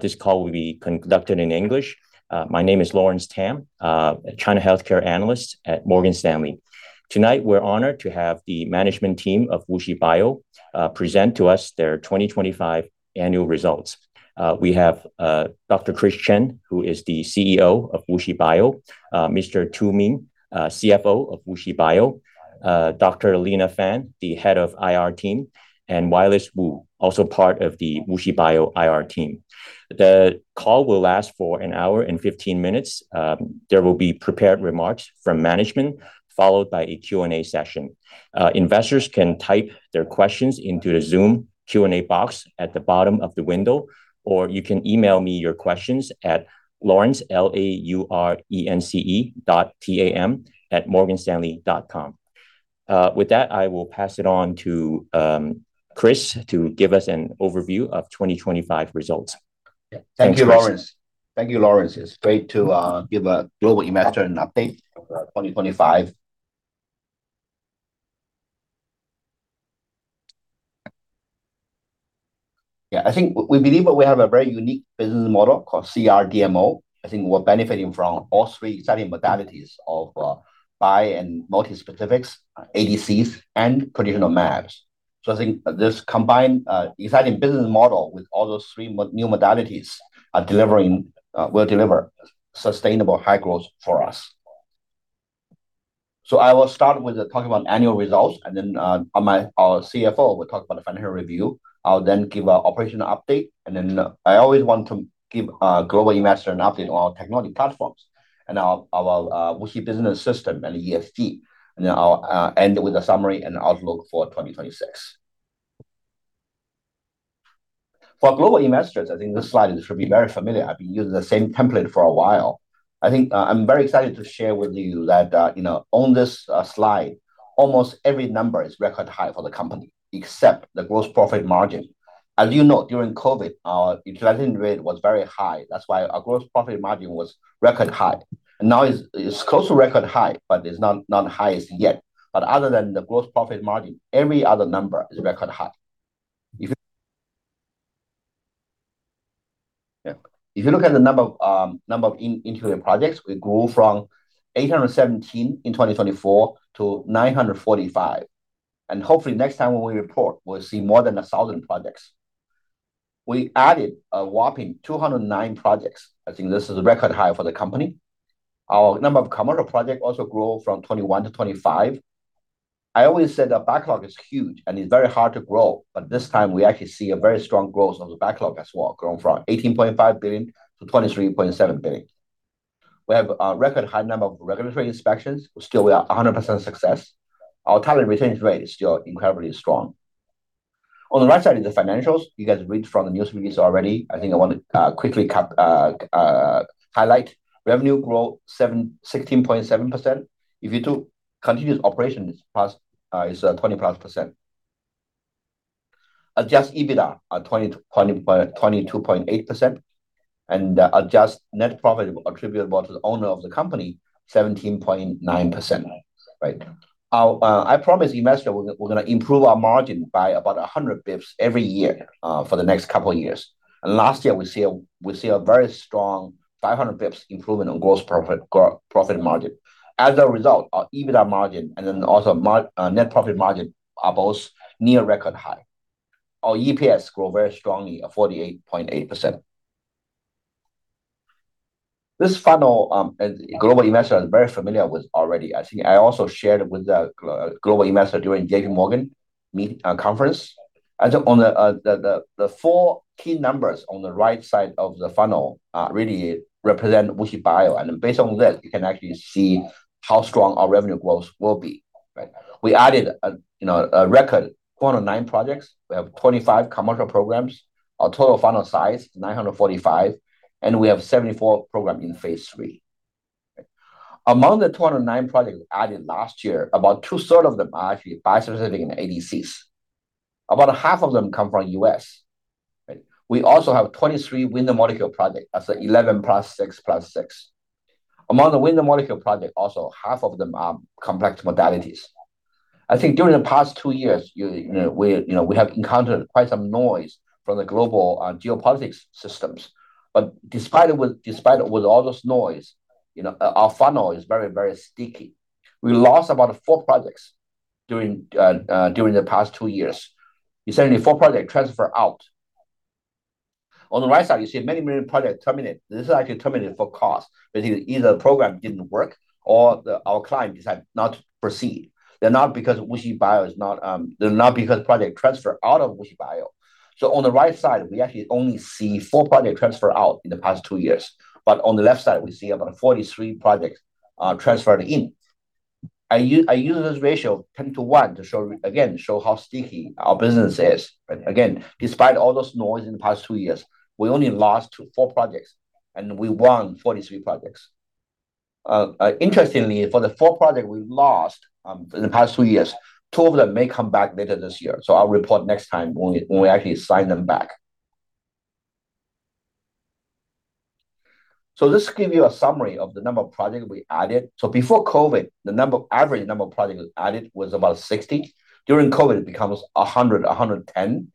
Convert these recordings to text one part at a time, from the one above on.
This call will be conducted in English. My name is Laurence Tam, China Healthcare Analyst at Morgan Stanley. Tonight, we're honored to have the management team of WuXi Biologics present to us their 2025 annual results. We have Dr. Chris Chen, who is the CEO of WuXi Biologics, Mr. Ming Tu, CFO of WuXi Biologics, Dr. Lina Fan, the head of IR team, and Willis Wu, also part of the WuXi Biologics IR team. The call will last for an hour and 15 minutes. There will be prepared remarks from management, followed by a Q&A session. Investors can type their questions into the Zoom Q&A box at the bottom of the window, or you can email me your questions at Laurence, L-A-U-R-E-N-C-E.T-A-M @morganstanley.com. With that, I will pass it on to Chris to give us an overview of 2025 results. Thank you, Laurence. It's great to give a global investor an update for 2025. Yeah. I think we believe that we have a very unique business model called CRDMO. I think we're benefiting from all three exciting modalities of bi and multi-specifics, ADCs, and traditional mAbs. I think this combined exciting business model with all those three new modalities will deliver sustainable high growth for us. I will start with talking about annual results, and then our CFO will talk about the financial review. I'll then give a operational update, and then I always want to give global investor an update on our technology platforms and our WuXi Business System and EFT. I'll end with a summary and outlook for 2026. For global investors, I think this slide should be very familiar. I've been using the same template for a while. I think I'm very excited to share with you that you know, on this slide, almost every number is record high for the company, except the gross profit margin. As you know, during COVID, our utilization rate was very high. That's why our gross profit margin was record high. Now it's close to record high, but it's not highest yet. Other than the gross profit margin, every other number is record high. If you look at the number of incoming projects, we grew from 817 in 2024 to 945. Hopefully, next time when we report, we'll see more than 1,000 projects. We added a whopping 209 projects. I think this is a record high for the company. Our number of commercial projects also grew from 21 to 25. I always said the backlog is huge, and it's very hard to grow. This time, we actually see a very strong growth on the backlog as well, grown from 18.5 billion to 23.7 billion. We have a record high number of regulatory inspections. Still, we are 100% success. Our talent retention rate is still incredibly strong. On the right side is the financials. You guys read from the news release already. I think I want to quickly highlight. Revenue growth 16.7%. If you do continuous operations plus, twenty-plus percent. Adjusted EBITDA at 22.8%. Adjusted net profit attributable to the owner of the company, 17.9%, right? I promised investors we're gonna improve our margin by about 100 bps every year for the next couple of years. Last year, we saw a very strong 500 bps improvement on gross profit margin. As a result, our EBITDA margin and then also net profit margin are both near record high. Our EPS grew very strongly at 48.8%. This funnel global investors are very familiar with already. I think I also shared with the global investors during J.P. Morgan meeting conference. I think the four key numbers on the right side of the funnel really represent WuXi Biologics. Based on this, you can actually see how strong our revenue growth will be, right? We added, you know, a record 209 projects. We have 25 commercial programs. Our total funnel size is 945, and we have 74 programs in phase III. Among the 209 projects we added last year, about two-thirds of them are actually bispecific and ADCs. About half of them come from U.S., right? We also have 23 Win the Molecule projects. That's the 11 + 6 + 6. Among the Win the Molecule projects, also half of them are complex modalities. I think during the past two years, you know, we have encountered quite some noise from the global geopolitical systems. But despite all this noise, you know, our funnel is very sticky. We lost about 4 projects during the past two years. Essentially, 4 projects transfer out. On the right side, you see many projects terminate. This is actually terminated for cost. Basically, either the program didn't work or our client decided not to proceed. They're not because project transfer out of WuXi Bio. On the right side, we actually only see 4 projects transfer out in the past two years. On the left side, we see about 43 projects transferred in. I use this ratio 10 to 1 to show again how sticky our business is, right? Again, despite all this noise in the past two years, we only lost 4 projects, and we won 43 projects. Interestingly, for the 4 projects we've lost in the past 2 years, 2 of them may come back later this year. I'll report next time when we actually sign them back. This gives you a summary of the number of projects we added. Before COVID, the average number of projects added was about 60. During COVID, it becomes 100, 110.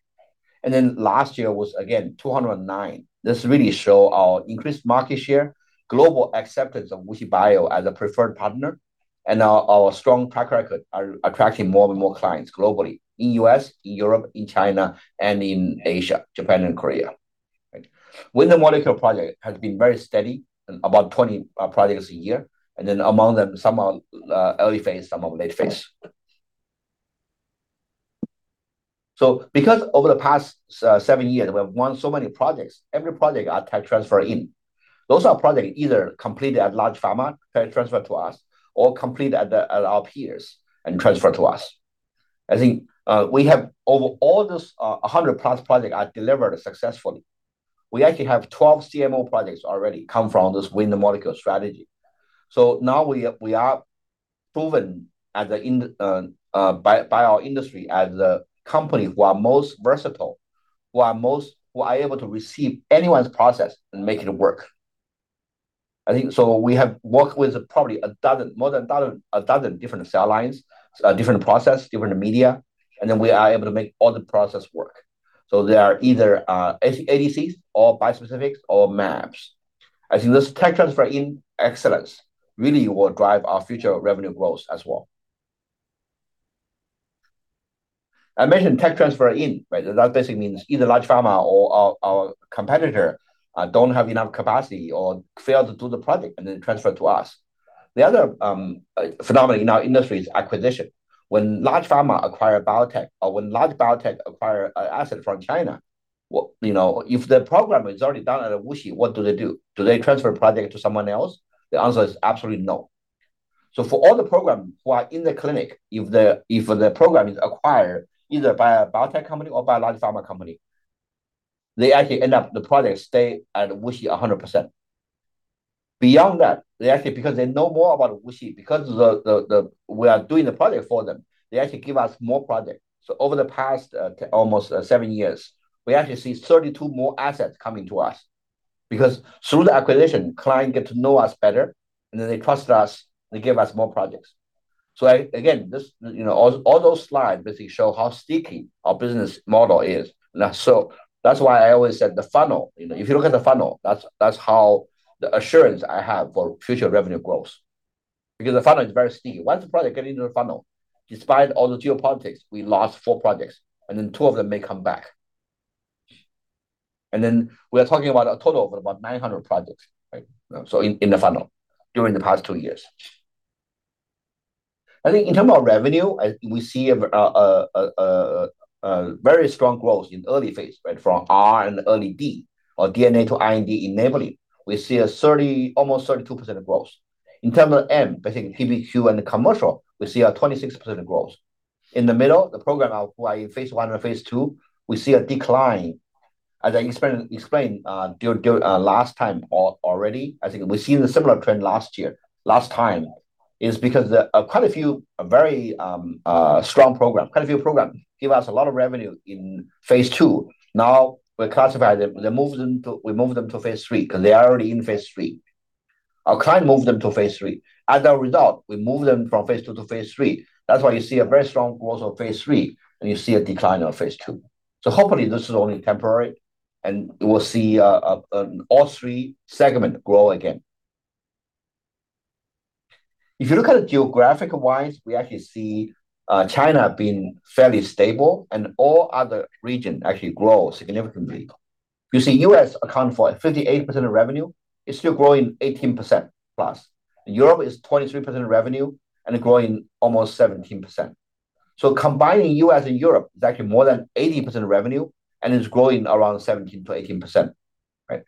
Then last year was again 209. This really shows our increased market share, global acceptance of WuXi Biologics as a preferred partner, and our strong track record are attracting more and more clients globally, in U.S., in Europe, in China, and in Asia, Japan and Korea. Right? Win the Molecule projects has been very steady, about 20 projects a year. Among them, some are early phase, some of them late phase. Because over the past 7 years, we have won so many projects, every project are tech transfer in. Those are project either completed at large pharma, tech transfer to us, or completed at our peers and transfer to us. I think we have over all those, 100+ project are delivered successfully. We actually have 12 CMO projects already come from this Win the Molecule strategy. Now we are proven by our industry as the company who are most versatile, who are able to receive anyone's process and make it work. I think we have worked with probably more than a dozen different cell lines, different process, different media, and then we are able to make all the process work. They are either ADCs or bispecifics or mAbs. I think this tech transfer excellence really will drive our future revenue growth as well. I mentioned tech transfer, right? That basically means either large pharma or our competitor don't have enough capacity or fail to do the project and then transfer to us. The other phenomenon in our industry is acquisition. When large pharma acquire biotech or when large biotech acquire asset from China, you know, if the program is already done at WuXi, what do they do? Do they transfer project to someone else? The answer is absolutely no. For all the programs who are in the clinic, if the program is acquired either by a biotech company or by a large pharma company, they actually end up, the project stay at WuXi 100%. Beyond that, they actually, because they know more about WuXi, because we are doing the project for them, they actually give us more project. Over the past almost seven years, we actually see 32 more assets coming to us. Because through the acquisition, client get to know us better, and then they trust us, they give us more projects. Again, this you know, all those slides basically show how sticky our business model is. Now, that's why I always said the funnel. You know, if you look at the funnel, that's how the assurance I have for future revenue growth. The funnel is very sticky. Once the project get into the funnel, despite all the geopolitics, we lost 4 projects, and then two of them may come back. We are talking about a total of about 900 projects, right? In the funnel during the past two years. I think in term of revenue, we see a very strong growth in early phase, right? From R and early D or DNA to IND enabling. We see a thirty, almost 32% growth. In term of M, basically PPQ and commercial, we see a 26% growth. In the middle, the program of who are in phase I or phase II, we see a decline. As I explained during last time already, I think we've seen the similar trend last year last time. It's because the quite a few strong programs give us a lot of revenue in phase II. Now, we classify them. We move them to phase III because they are already in phase III. Our clients move them to phase III. As a result, we move them from phase II to phase III. That's why you see a very strong growth of phase III, and you see a decline of phase II. Hopefully, this is only temporary, and we'll see all three segments grow again. If you look at it geographic-wise, we actually see China being fairly stable and all other regions actually grow significantly. You see U.S. accounts for 58% of revenue. It's still growing 18%+. Europe is 23% revenue and growing almost 17%. Combining U.S. and Europe is actually more than 80% revenue and is growing around 17%-18%, right?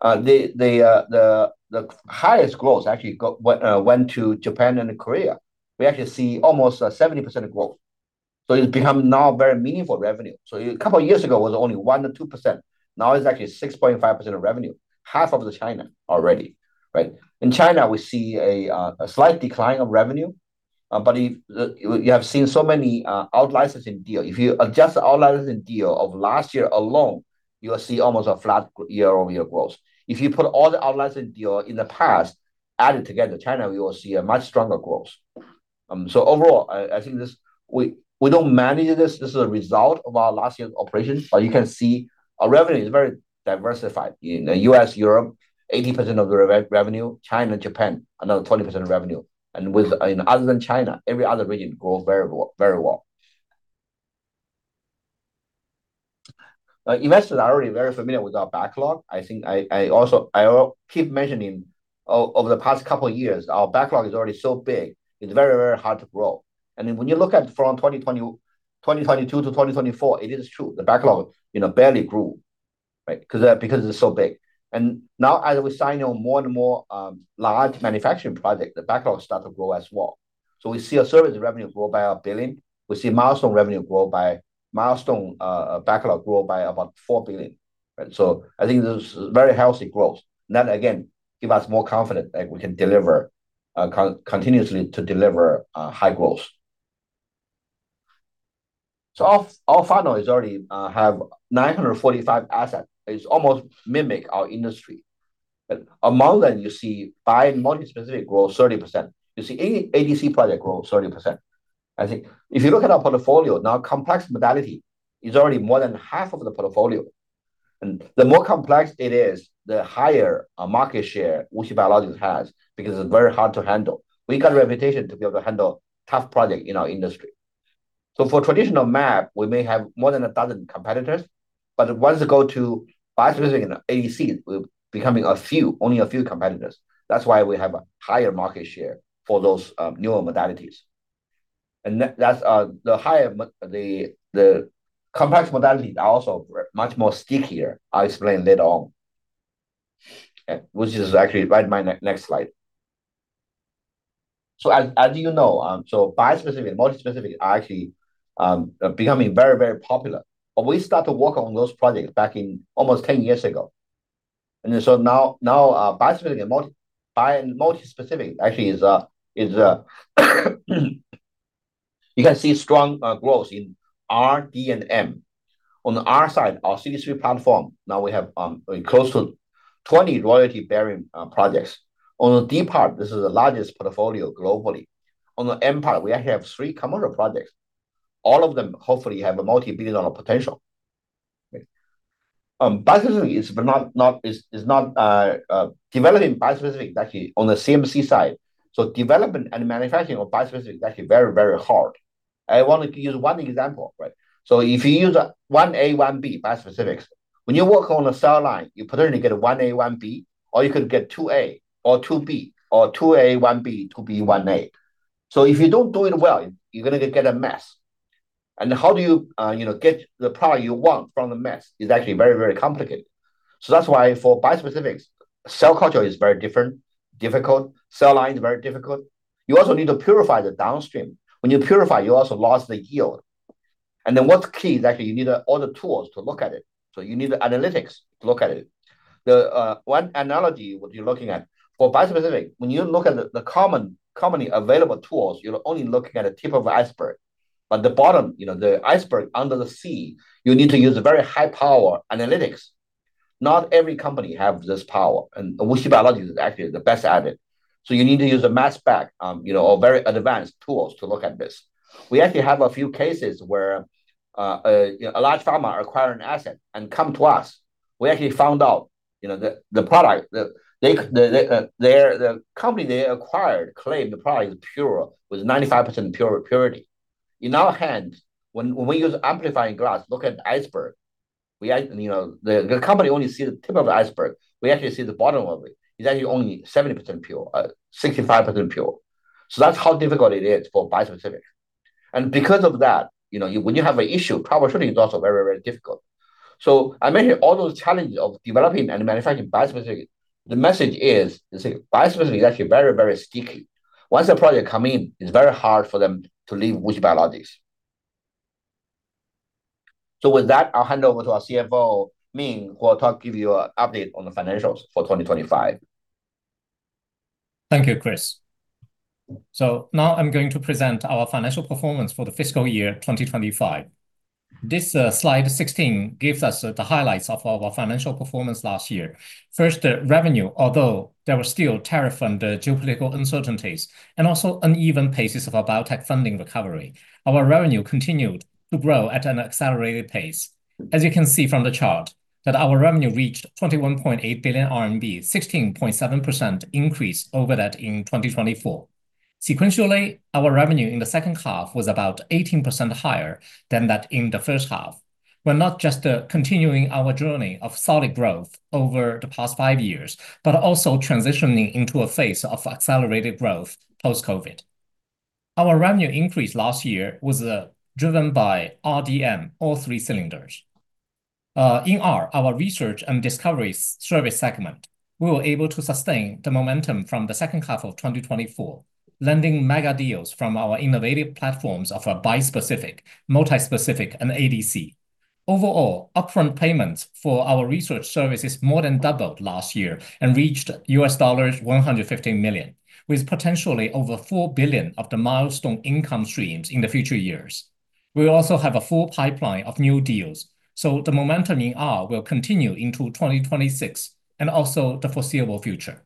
The highest growth actually went to Japan and Korea. We actually see almost 70% growth. It's become now very meaningful revenue. A couple years ago, it was only 1%-2%. Now, it's actually 6.5% of revenue, half of China already, right? In China, we see a slight decline of revenue. But if you have seen so many out-licensing deals, if you adjust the out-licensing deals of last year alone, you will see almost a flat year-over-year growth. If you put all the out-licensing deal in the past added together, China, you will see a much stronger growth. Overall, I think this we don't manage this. This is a result of our last year's operations. You can see our revenue is very diversified. In U.S., Europe, 80% of the revenue. China, Japan, another 20% of revenue. Other than China, every other region grows very well. Investors are already very familiar with our backlog. I think I also keep mentioning over the past couple years, our backlog is already so big, it's very hard to grow. When you look at from 2020, 2022 to 2024, it is true. The backlog, you know, barely grew, right? Because it's so big. Now as we sign on more and more large manufacturing project, the backlog start to grow as well. We see our service revenue grow by 1 billion. We see milestone backlog grow by about 4 billion, right? I think this is very healthy growth. That again give us more confidence that we can deliver continuously to deliver high growth. Our funnel is already have 945 asset. It's almost mimic our industry. Among them, you see bi- and multi-specific grow 30%. You see ADC project grow 30%. I think if you look at our portfolio now, complex modality is already more than half of the portfolio. The more complex it is, the higher our market share WuXi Biologics has because it's very hard to handle. We got a reputation to be able to handle tough project in our industry. For traditional mAb, we may have more than 1,000 competitors, but once it go to bispecific and ADC, we're becoming a few, only a few competitors. That's why we have a higher market share for those newer modalities. That's the complex modality are also much more stickier, I'll explain later on. Which is actually right in my next slide. As you know, bispecific and multispecific are actually becoming very, very popular. We start to work on those projects back in almost 10 years ago. Now bispecific and multispecific actually is you can see strong growth in R&D and M. On the R side, our CDMO platform, now we have close to 20 royalty-bearing projects. On the D part, this is the largest portfolio globally. On the M part, we have 3 commercial projects. All of them hopefully have a multi-billion-dollar potential. Developing bispecific actually on the CMC side is not. So development and manufacturing of bispecific is actually very, very hard. I want to use one example, right? So if you use one A, one B bispecifics, when you work on a cell line, you potentially get one A, one B, or you could get two A or two B or two A, one B, two B, one A. So if you don't do it well, you're gonna get a mess. How do you get the product you want from the mess? It is actually very, very complicated. That's why for bispecifics, cell culture is very different, difficult. Cell line is very difficult. You also need to purify the downstream. When you purify, you also lost the yield. Then what's key is actually you need all the tools to look at it. You need the analytics to look at it. One analogy what you're looking at, for bispecific, when you look at the common, commonly available tools, you're only looking at the tip of iceberg. The bottom, you know, the iceberg under the sea, you need to use a very high-power analytics. Not every company have this power, and WuXi Biologics is actually the best at it. You need to use a mass spec, you know, or very advanced tools to look at this. We actually have a few cases where, you know, a large pharma acquire an asset and come to us. We actually found out, you know, the product that they their the company they acquired claimed the product is pure, with 95% pure purity. In our hand, when we use magnifying glass look at iceberg, you know, the company only see the tip of the iceberg. We actually see the bottom of it. It's actually only 70% pure, 65% pure. That's how difficult it is for bispecific. Because of that, you know, when you have a issue, troubleshooting is also very, very difficult. I mention all those challenges of developing and manufacturing bispecific. The message is that bispecific is actually very, very sticky. Once the project come in, it's very hard for them to leave WuXi Biologics. With that, I'll hand over to our CFO, Ming Tu, who will talk, give you an update on the financials for 2025. Thank you, Chris. Now I'm going to present our financial performance for the fiscal year 2025. This slide 16 gives us the highlights of our financial performance last year. First, the revenue. Although there were still tariff and geopolitical uncertainties, and also uneven paces of our biotech funding recovery, our revenue continued to grow at an accelerated pace. As you can see from the chart that our revenue reached 21.8 billion RMB, 16.7% increase over that in 2024. Sequentially, our revenue in the second half was about 18% higher than that in the first half. We're not just continuing our journey of solid growth over the past five years, but also transitioning into a phase of accelerated growth post-COVID. Our revenue increase last year was driven by RDM, all three cylinders. In R, our research and discovery service segment, we were able to sustain the momentum from the second half of 2024, landing mega deals from our innovative platforms of bispecific, multispecific, and ADC. Overall, upfront payments for our research services more than doubled last year and reached $115 million, with potentially over $4 billion of the milestone income streams in the future years. We also have a full pipeline of new deals, so the momentum in R will continue into 2026 and also the foreseeable future.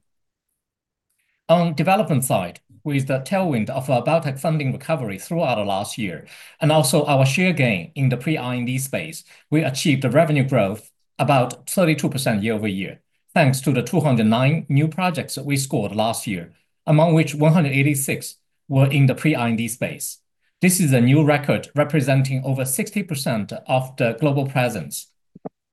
On the development side, with the tailwind of our biotech funding recovery throughout the last year and also our share gain in the pre-IND space, we achieved a revenue growth of about 32% year-over-year, thanks to the 209 new projects that we scored last year, among which 186 were in the pre-IND space. This is a new record representing over 60% of the global presence.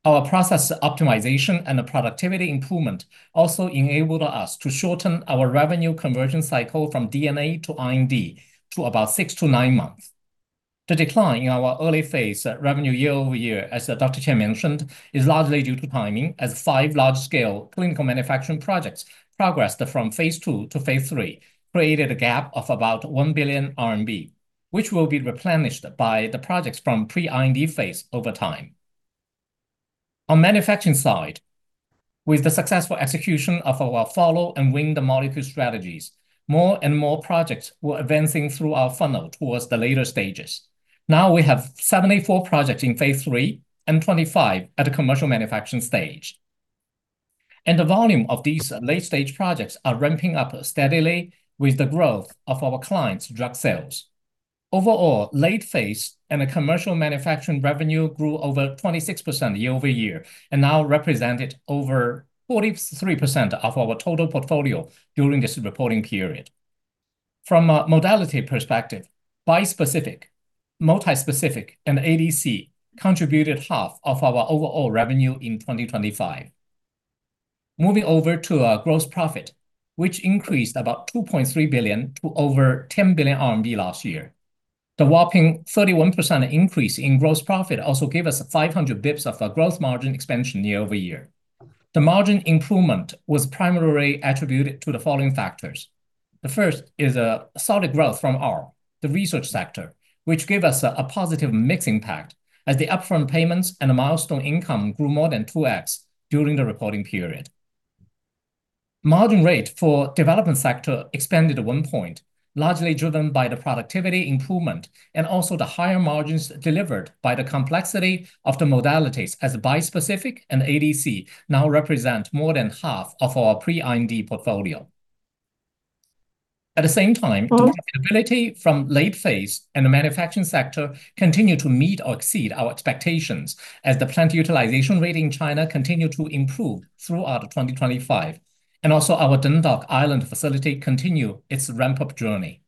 Our process optimization and the productivity improvement also enabled us to shorten our revenue conversion cycle from DNA to R&D to about 6-9 months. The decline in our early-phase revenue year-over-year, as, Dr. Chen mentioned, is largely due to timing, as five large-scale clinical manufacturing projects progressed from phase II to phase III, created a gap of about 1 billion RMB, which will be replenished by the projects from pre-IND phase over time. On manufacturing side, with the successful execution of our follow and Win the Molecule strategies, more and more projects were advancing through our funnel towards the later stages. Now we have 74 projects in phase III and 25 at the commercial manufacturing stage. The volume of these late-stage projects are ramping up steadily with the growth of our clients' drug sales. Overall, late phase and the commercial manufacturing revenue grew over 26% year-over-year and now represented over 43% of our total portfolio during this reporting period. From a modality perspective, bispecific, multispecific, and ADC contributed half of our overall revenue in 2025. Moving over to growth profit, which increased about 2.3 billion to over 10 billion RMB last year. The whopping 31% increase in growth profit also gave us 500 basis points of a growth margin expansion year-over-year. The margin improvement was primarily attributed to the following factors. The first is solid growth from R&D, the research sector, which gave us a positive mix impact as the upfront payments and the milestone income grew more than 2x during the reporting period. Margin rate for development sector expanded at 1 point, largely driven by the productivity improvement and also the higher margins delivered by the complexity of the modalities as bispecific and ADC now represent more than half of our pre-IND portfolio. At the same time Mm-hmm The profitability from late phase and the manufacturing sector continued to meet or exceed our expectations as the plant utilization rate in China continued to improve throughout 2025. Also our Dundalk, Ireland facility continue its ramp-up journey.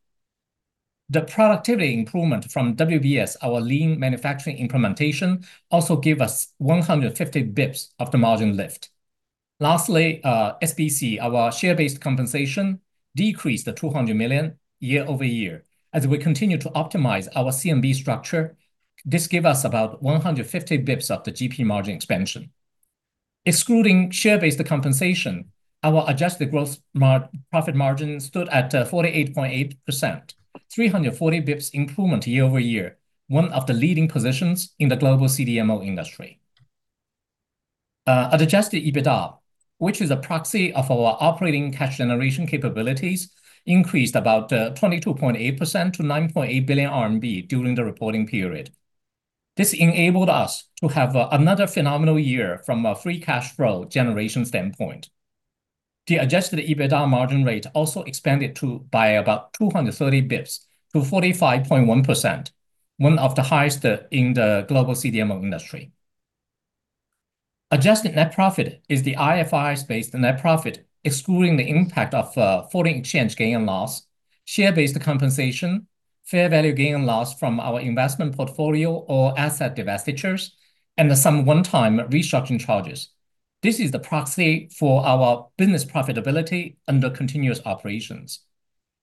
The productivity improvement from WBS, our lean manufacturing implementation, also gave us 150 basis points of the margin lift. Lastly, SBC, our share-based compensation, decreased to 200 million year-over-year as we continue to optimize our CMB structure. This gave us about 150 basis points of the GP margin expansion. Excluding share-based compensation, our adjusted profit margin stood at 48.8%, 340 basis points improvement year-over-year, one of the leading positions in the global CDMO industry. Adjusted EBITDA, which is a proxy of our operating cash generation capabilities, increased about 22.8% to 9.8 billion RMB during the reporting period. This enabled us to have another phenomenal year from a free cash flow generation standpoint. The adjusted EBITDA margin rate also expanded by about 230 basis points to 45.1%, one of the highest in the global CDMO industry. Adjusted net profit is the IFRS-based net profit, excluding the impact of foreign exchange gain and loss, share-based compensation, fair value gain and loss from our investment portfolio or asset divestitures, and some one-time restructuring charges. This is the proxy for our business profitability under continuous operations.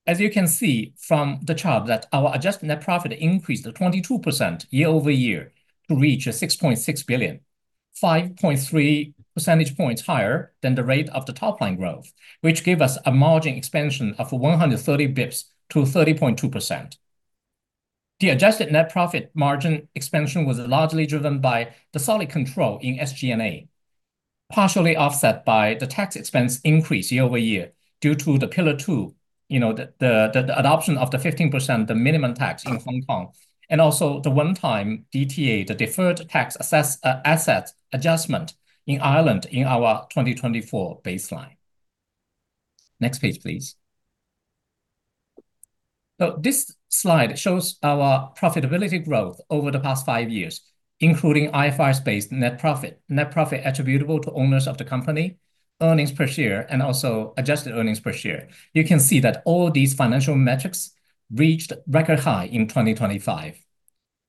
As you can see from the chart that our adjusted net profit increased 22% year-over-year to reach 6.6 billion, 5.3 percentage points higher than the rate of the top-line growth, which gave us a margin expansion of 130 basis points to 30.2%. The adjusted net profit margin expansion was largely driven by the solid control in SG&A, partially offset by the tax expense increase year-over-year due to the Pillar Two, you know, the adoption of the 15% minimum tax in Hong Kong, and also the one-time DTA, the Deferred Tax Asset Adjustment in Ireland in our 2024 baseline. Next page, please. This slide shows our profitability growth over the past five years, including IFRS-based net profit, net profit attributable to owners of the company, earnings per share, and also adjusted earnings per share. You can see that all these financial metrics reached record high in 2025.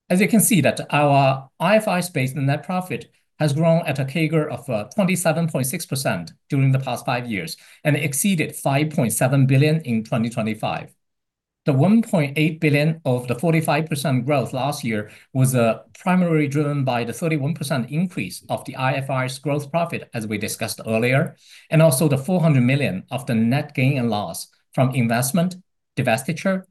As you can see that our IFRS-based net profit has grown at a CAGR of 27.6% during the past five years and exceeded 5.7 billion in 2025. The 1.8 billion of the 45% growth last year was primarily driven by the 31% increase of the IFRS gross profit, as we discussed earlier, and also the 400 million of the net gain and loss from investment, divestiture,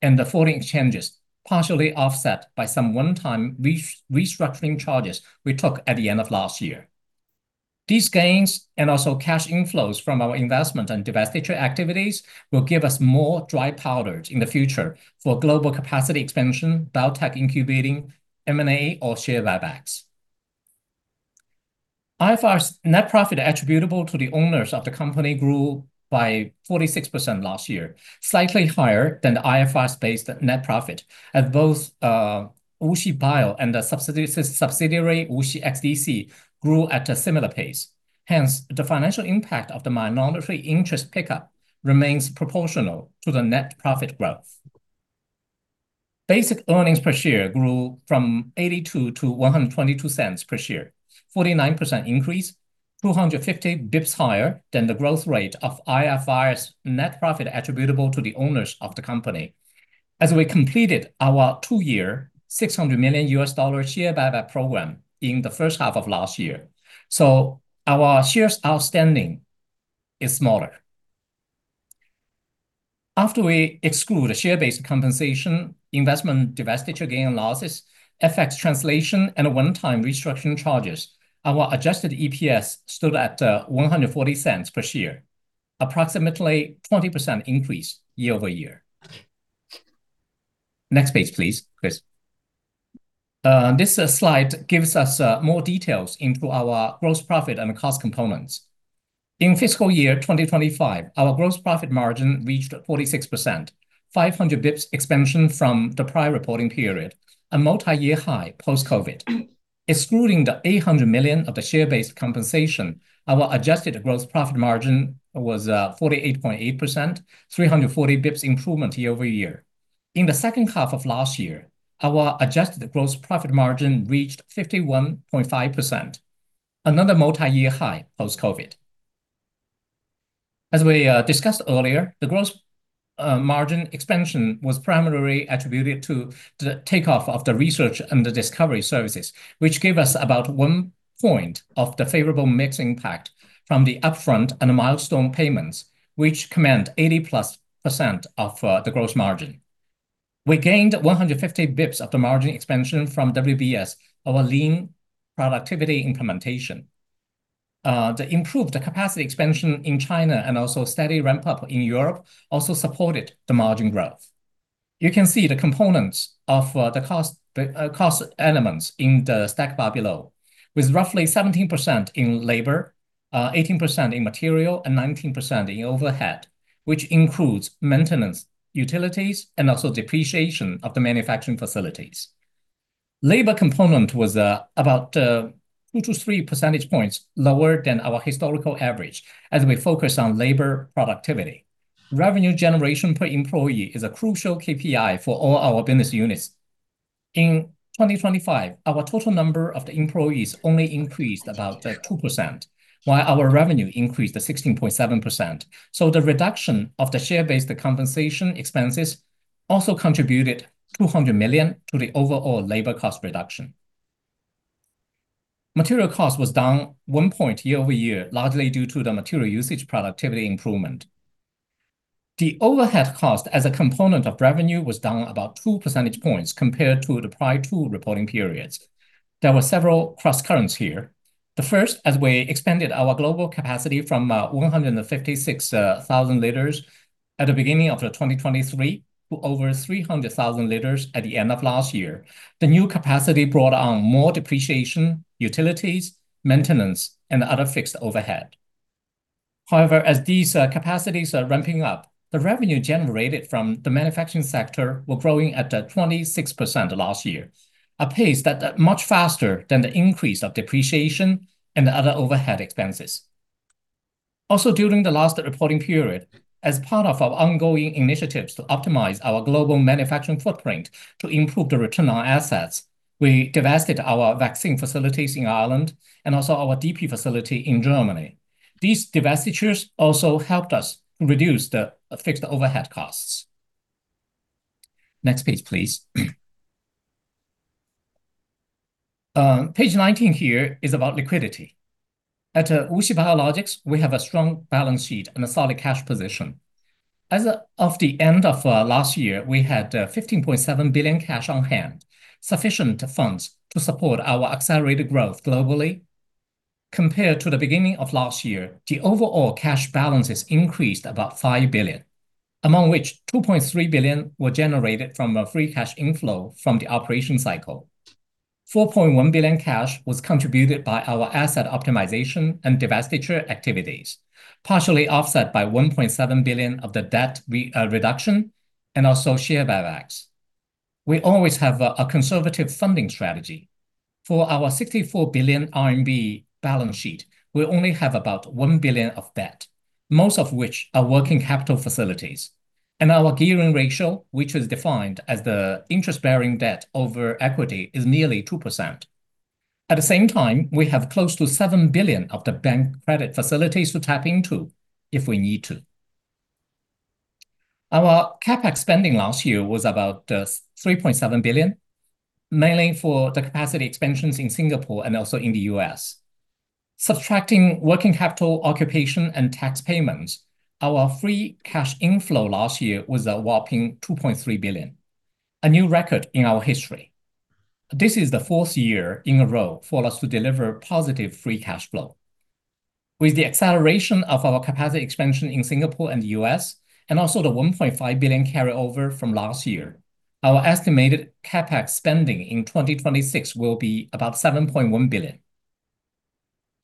and the foreign exchanges, partially offset by some one-time restructuring charges we took at the end of last year. These gains and also cash inflows from our investment and divestiture activities will give us more dry powder in the future for global capacity expansion, biotech incubating, M&A, or share buybacks. IFRS net profit attributable to the owners of the company grew by 46% last year, slightly higher than the IFRS-based net profit at both WuXi Biologics and the subsidiary WuXi XDC grew at a similar pace. Hence, the financial impact of the minority interest pickup remains proportional to the net profit growth. Basic earnings per share grew from $0.82 to $1.22 per share, 49% increase, 250 basis points higher than the growth rate of IFRS net profit attributable to the owners of the company as we completed our two-year, $600 million share buyback program in the first half of last year. Our shares outstanding is smaller. After we exclude the share-based compensation, investment divestiture gain losses, FX translation, and one-time restructuring charges, our adjusted EPS stood at $1.40 per share, approximately 20% increase year-over-year. Next page, please, Chris. This slide gives us more details into our gross profit and cost components. In fiscal year 2025, our gross profit margin reached 46%, 500 bips expansion from the prior reporting period, a multi-year high post-COVID. Excluding the 800 million of the share-based compensation, our adjusted gross profit margin was 48.8%, 340 bips improvement year-over-year. In the second half of last year, our adjusted gross profit margin reached 51.5%, another multi-year high post-COVID. As we discussed earlier, the gross margin expansion was primarily attributed to the takeoff of the research and the discovery services, which gave us about 1 point of the favorable mix impact from the upfront and milestone payments, which command 80%+ of the gross margin. We gained 150 basis points of the margin expansion from WBS, our lean productivity implementation. The improved capacity expansion in China and also steady ramp-up in Europe also supported the margin growth. You can see the components of the cost elements in the stacked bar below, with roughly 17% in labor, 18% in material, and 19% in overhead, which includes maintenance, utilities, and also depreciation of the manufacturing facilities. Labor component was about 2-3 percentage points lower than our historical average as we focus on labor productivity. Revenue generation per employee is a crucial KPI for all our business units. In 2025, our total number of the employees only increased about 2%, while our revenue increased to 16.7%. The reduction of the share-based compensation expenses also contributed 200 million to the overall labor cost reduction. Material cost was down 1 point year-over-year, largely due to the material usage productivity improvement. The overhead cost as a component of revenue was down about 2 percentage points compared to the prior two reporting periods. There were several crosscurrents here. The first, as we expanded our global capacity from 156,000 liters at the beginning of 2023 to over 300,000 liters at the end of last year. The new capacity brought on more depreciation, utilities, maintenance, and other fixed overhead. However, as these capacities are ramping up, the revenue generated from the manufacturing sector were growing at 26% last year, a pace that much faster than the increase of depreciation and the other overhead expenses. Also, during the last reporting period, as part of our ongoing initiatives to optimize our global manufacturing footprint to improve the return on assets, we divested our vaccine facilities in Ireland and also our DP facility in Germany. These divestitures also helped us reduce the fixed overhead costs. Next page, please. Page 19 here is about liquidity. At WuXi Biologics, we have a strong balance sheet and a solid cash position. As of the end of last year, we had 15.7 billion cash on hand, sufficient funds to support our accelerated growth globally. Compared to the beginning of last year, the overall cash balances increased about 5 billion, among which 2.3 billion were generated from a free cash inflow from the operating cycle. 4.1 billion cash was contributed by our asset optimization and divestiture activities, partially offset by 1.7 billion of the debt reduction and also share buybacks. We always have a conservative funding strategy. For our 64 billion RMB balance sheet, we only have about 1 billion of debt, most of which are working capital facilities. Our gearing ratio, which is defined as the interest-bearing debt over equity, is nearly 2%. At the same time, we have close to 7 billion of the bank credit facilities to tap into if we need to. Our CapEx spending last year was about 3.7 billion, mainly for the capacity expansions in Singapore and also in the U.S. Subtracting working capital occupation and tax payments, our free cash inflow last year was a whopping 2.3 billion, a new record in our history. This is the fourth year in a row for us to deliver positive free cash flow. With the acceleration of our capacity expansion in Singapore and U.S., and also the 1.5 billion carryover from last year, our estimated CapEx spending in 2026 will be about 7.1 billion.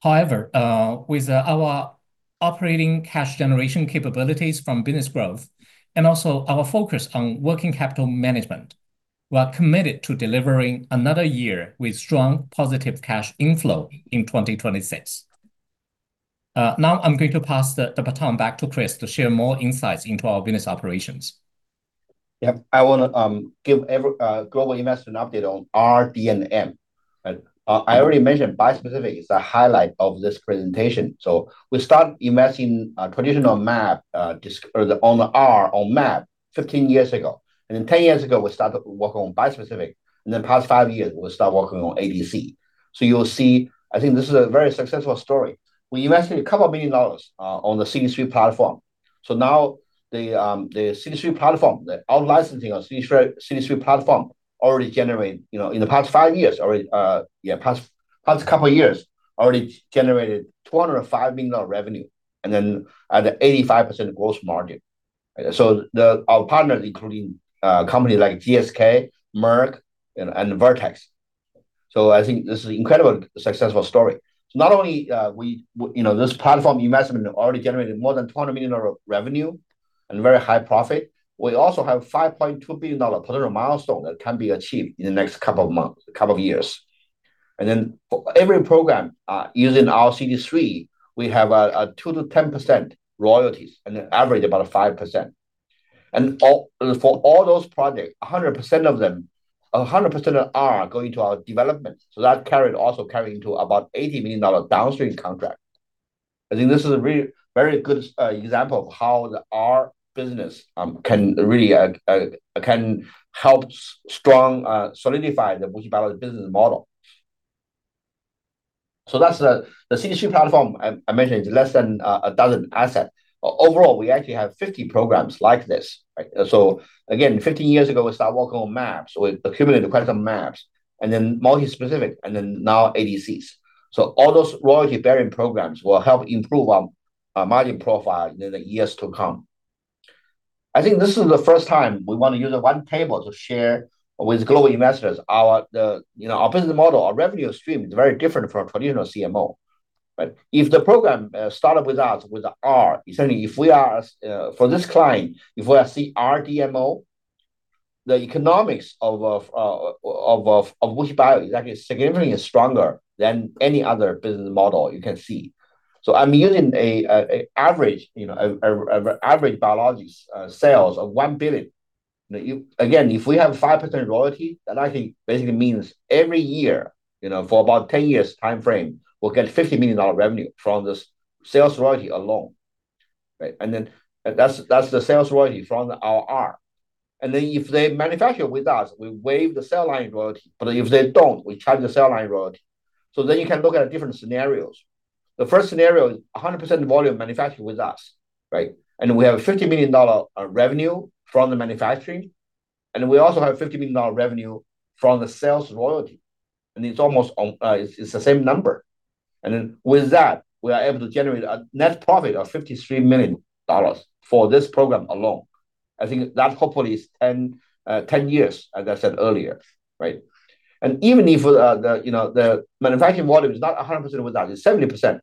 However, with our operating cash generation capabilities from business growth and also our focus on working capital management, we are committed to delivering another year with strong positive cash inflow in 2026. Now I'm going to pass the baton back to Chris to share more insights into our business operations. Yeah. I wanna give every global investor an update on R, D, and M. I already mentioned bispecific is a highlight of this presentation. We start investing traditional mAb on mAb 15 years ago. Then 10 years ago, we started work on bispecific. In the past 5 years, we start working on ADC. You'll see, I think this is a very successful story. We invested a couple of million dollars on the CD3 platform. Now the CD3 platform, the out licensing of CD3 platform already generate, you know, in the past 5 years already, past couple of years already generated $205 million revenue, and then at 85% gross margin. Our partners, including company like GSK, Merck, and Vertex. I think this is incredibly successful story. Not only this platform investment already generated more than $20 million in revenue and very high profit. We also have $5.2 billion potential milestone that can be achieved in the next couple of months, couple of years. Then for every program using our CD3, we have a 2%-10% royalties and an average about 5%. For all those projects, 100% of them, 100% are going to our development. That also carries into about $80 million downstream contract. I think this is a really very good example of how our business can really help strongly solidify the WuXi Biologics business model. That's the CD3 platform I mentioned, less than a dozen asset. Overall, we actually have 50 programs like this, right? Fifteen years ago, we start working on mAbs. We accumulated quite some mAbs, and then multispecific, and then now ADCs. All those royalty-bearing programs will help improve our margin profile in the years to come. I think this is the first time we wanna use one table to share with global investors our business model. Our revenue stream is very different from traditional CMO, right? If the program start up with us with the R, essentially, if we are for this client, if we are CRDMO, the economics of WuXi Bio is actually significantly stronger than any other business model you can see. I'm using an average, you know, average biologics sales of $1 billion. Again, if we have 5% royalty, that actually basically means every year, you know, for about 10 years timeframe, we'll get $50 million revenue from this sales royalty alone, right? That's the sales royalty from our R. If they manufacture with us, we waive the cell line royalty. If they don't, we charge the cell line royalty. You can look at different scenarios. The first scenario, 100% volume manufactured with us, right? We have a $50 million revenue from the manufacturing, and we also have $50 million revenue from the sales royalty. It's almost on, it's the same number. With that, we are able to generate a net profit of $53 million for this program alone. I think that hopefully is 10 years, as I said earlier, right? Even if the manufacturing volume is not 100% with that, it's 70%,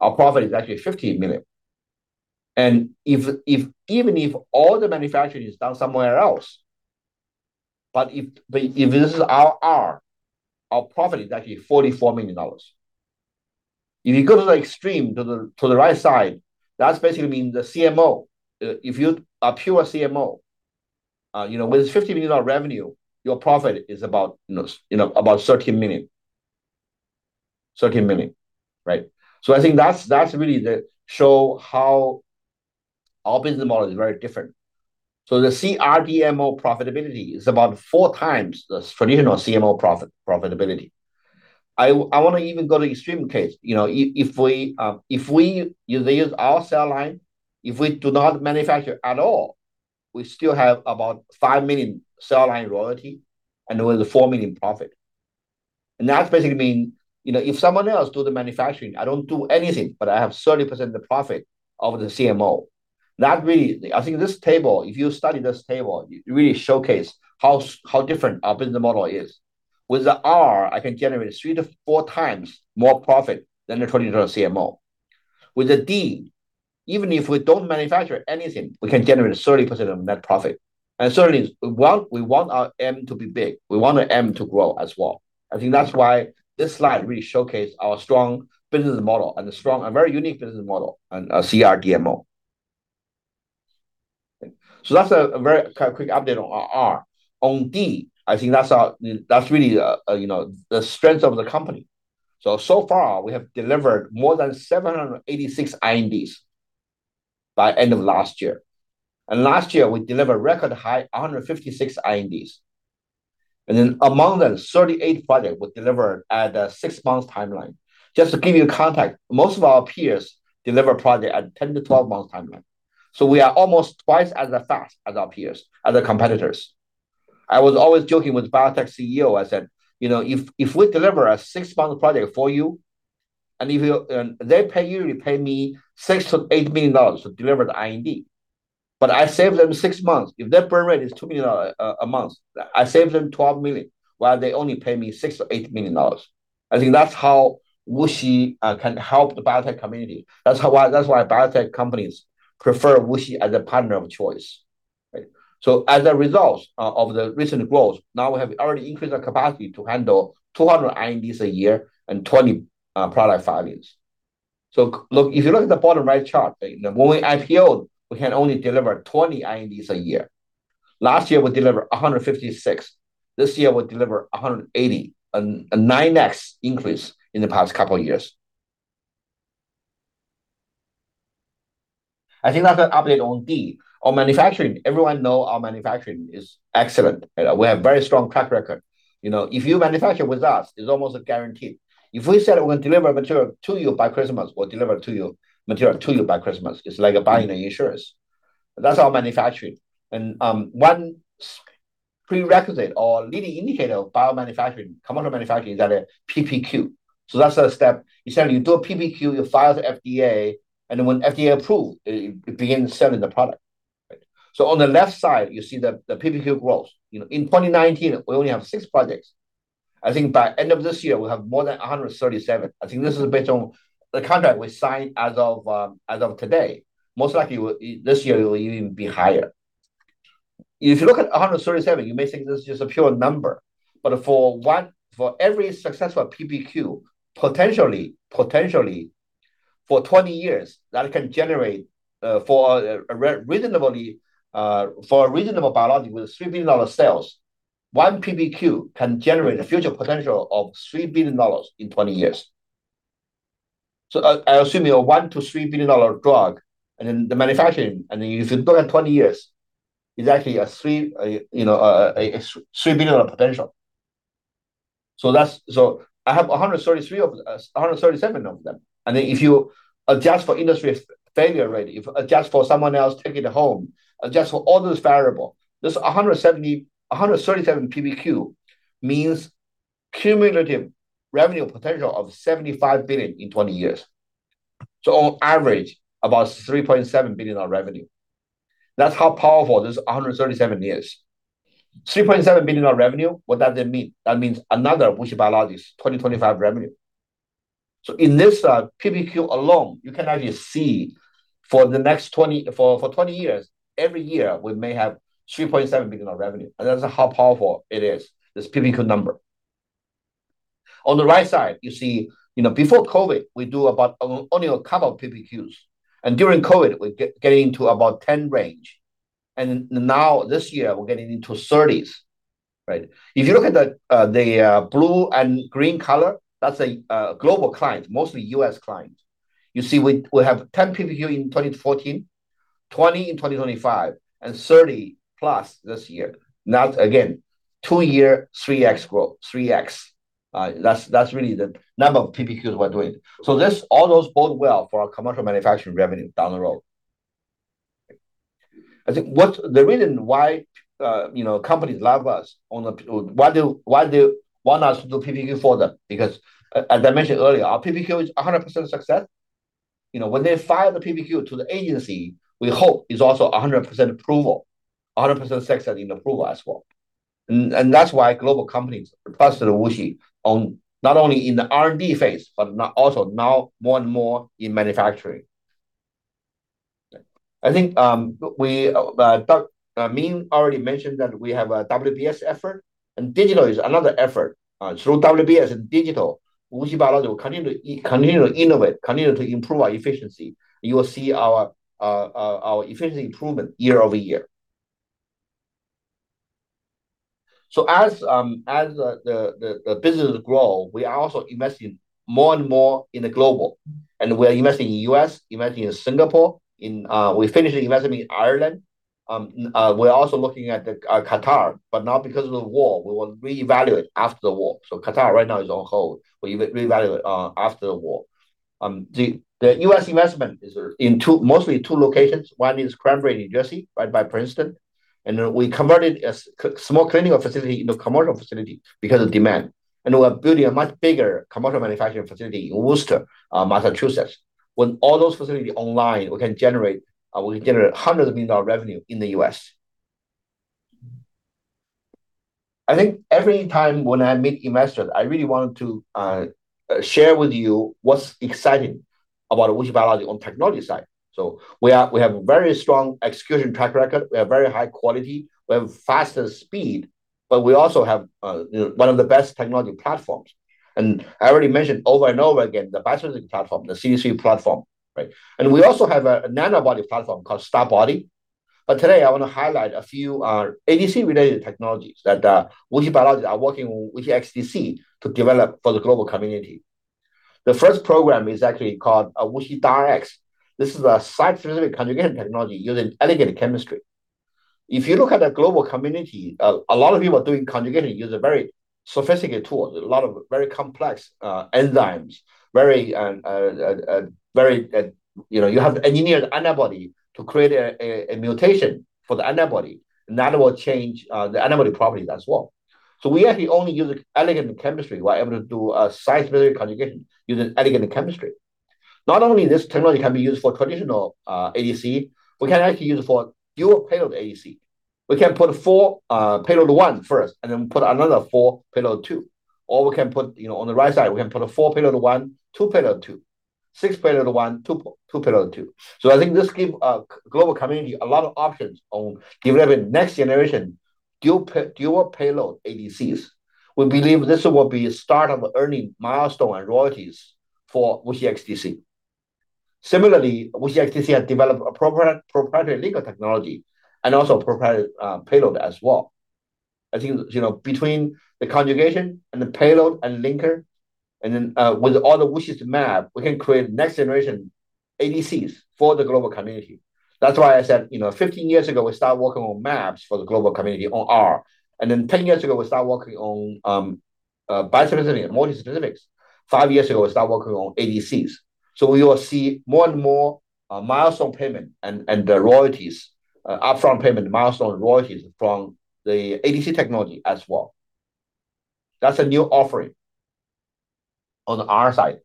our profit is actually $50 million. If even if all the manufacturing is done somewhere else, but if this is our R, our profit is actually $44 million. If you go to the extreme, to the right side, that's basically means the CMO. If you're a pure CMO, with $50 million revenue, your profit is about thirteen million. Thirteen million, right? I think that's really that shows how our business model is very different. The CRDMO profitability is about four times this traditional CMO profitability. I wanna even go to extreme case. If we use our cell line, if we do not manufacture at all, we still have about 5 million cell line royalty, and there was a 4 million profit. That's basically mean, if someone else do the manufacturing, I don't do anything, but I have 30% the profit of the CMO. That really. I think this table, if you study this table, it really showcase how different our business model is. With the R, I can generate 3-4 times more profit than the traditional CMO. With the D, even if we don't manufacture anything, we can generate a 30% of net profit. Certainly, we want our M to be big. We want our M to grow as well. I think that's why this slide really showcases our strong business model and a strong and very unique business model and CRDMO. That's a very kind of quick update on our R&D. I think that's really you know the strength of the company. So far, we have delivered more than 786 INDs by end of last year. Last year, we delivered record high 156 INDs. Then among them, 38 projects were delivered at a 6-month timeline. Just to give you context, most of our peers deliver projects at 10- to 12-month timeline. We are almost twice as fast as our peers, other competitors. I was always joking with biotech CEO. I said, "You know, if we deliver a six-month project for you, and if they pay you pay me $6 million-$8 million to deliver the IND." I save them six months. If their burn rate is $2 million a month, I save them $12 million, while they only pay me $6 million-$8 million. I think that's how WuXi can help the biotech community. That's why biotech companies prefer WuXi as a partner of choice, right? As a result of the recent growth, now we have already increased our capacity to handle 200 INDs a year and 20 product filings. Look, if you look at the bottom right chart, when we IPO-ed, we can only deliver 20 INDs a year. Last year, we delivered 156. This year, we deliver 180, a 9x increase in the past couple of years. I think that's an update on D. On manufacturing, everyone knows our manufacturing is excellent. You know, we have very strong track record. You know, if you manufacture with us, it's almost a guarantee. If we said we're gonna deliver material to you by Christmas, we'll deliver to you, material to you by Christmas. It's like buying an insurance. That's our manufacturing. One prerequisite or leading indicator of bio-manufacturing, commercial manufacturing is that PPQ. So that's a step. Essentially, you do a PPQ, you file the FDA, and then when FDA approve, you begin selling the product, right? So on the left side, you see the PPQ growth. You know, in 2019, we only have six projects. I think by end of this year, we'll have more than 137. I think this is based on the contract we signed as of today. Most likely, this year it will even be higher. If you look at 137, you may think this is just a pure number. For every successful PPQ, potentially, for 20 years, that can generate for a reasonable biologic with $3 billion sales, one PPQ can generate a future potential of $3 billion in 20 years. I assume your $1-$3 billion drug and then the manufacturing, and if you build that 20 years, it's actually a $3 billion potential. I have 133 of 137 of them. If you adjust for industry failure rate, adjust for someone else taking it home, adjust for all those variables, this 137 PPQ means cumulative revenue potential of $75 billion in 20 years. On average, about $3.7 billion revenue. That's how powerful this 137 is. $3.7 billion revenue, what does it mean? That means another WuXi Biologics 2025 revenue. In this PPQ alone, you can actually see for the next 20 years, every year, we may have $3.7 billion revenue. That's how powerful it is, this PPQ number. On the right side, you see, before COVID, we do about only a couple of PPQs. During COVID, we're getting into about 10 range. Now, this year, we're getting into 30s, right? If you look at the blue and green color, that's a global client, mostly U.S. client. You see we have 10 PPQ in 2014, 20 in 2025, and 30+ this year. That's again two-year 3x growth, 3x. That's really the number of PPQs we're doing. This all bodes well for our commercial manufacturing revenue down the road. I think what's the reason why companies love us. Why they want us to do PPQ for them? Because as I mentioned earlier, our PPQ is 100% success. You know, when they file the PPQ to the agency, we hope it's also 100% approval, 100% success in approval as well. That's why global companies trust WuXi on not only in the R&D phase, but now also more and more in manufacturing. I think, we, Ming already mentioned that we have a WBS effort, and digital is another effort. Through WBS and digital, WuXi Biologics will continue to innovate, continue to improve our efficiency. You will see our efficiency improvement year over year. As the business grow, we are also investing more and more in the global. We are investing in U.S., investing in Singapore, we're finishing investment in Ireland. We're also looking at Qatar, but not because of the war. We will reevaluate after the war. Qatar right now is on hold. We will reevaluate after the war. The U.S. investment is in two locations. One is Cranbury, New Jersey, right by Princeton. We converted a small clinical facility into a commercial facility because of demand. We're building a much bigger commercial manufacturing facility in Worcester, Massachusetts. When all those facilities are online, we can generate hundreds of millions of dollars in revenue in the U.S. I think every time when I meet investors, I really want to share with you what's exciting about WuXi Biologics on the technology side. We have very strong execution track record. We have very high quality. We have faster speed, but we also have, you know, one of the best technology platforms. I already mentioned over and over again, the biosourcing platform, the CEC platform, right? We also have a nanobody platform called SDarBody. Today, I wanna highlight a few, ADC-related technologies that, WuXi Biologics are working with WuXi XDC to develop for the global community. The first program is actually called, WuXiDAR4. This is a site-specific conjugation technology using elegant chemistry. If you look at the global community, a lot of people are doing conjugation using very sophisticated tools, a lot of very complex enzymes, very you know, you have to engineer the antibody to create a mutation for the antibody, and that will change the antibody properties as well. We actually only use elegant chemistry. We're able to do site-specific conjugation using elegant chemistry. Not only this technology can be used for traditional ADC, we can actually use it for dual payload ADC. We can put 4 payload 1 first, and then put another 4 payload 2. Or we can put, you know, on the right side, we can put 4 payload 1, 2 payload 2. 6 payload 1, 2 payload 2. I think this give global community a lot of options on developing next generation dual payload ADCs. We believe this will be a start of earning milestone and royalties for WuXi XDC. Similarly, WuXi XDC has developed a proprietary linker technology and also proprietary payload as well. I think, you know, between the conjugation and the payload and linker, and then with all the WuXi's mAb, we can create next generation ADCs for the global community. That's why I said, you know, 15 years ago, we started working on mAbs for the global community on R. Then 10 years ago, we started working on bispecifics, multispecifics. Five years ago, we started working on ADCs. We will see more and more milestone payment and the royalties, upfront payment, milestone royalties from the ADC technology as well. That's a new offering on the R side.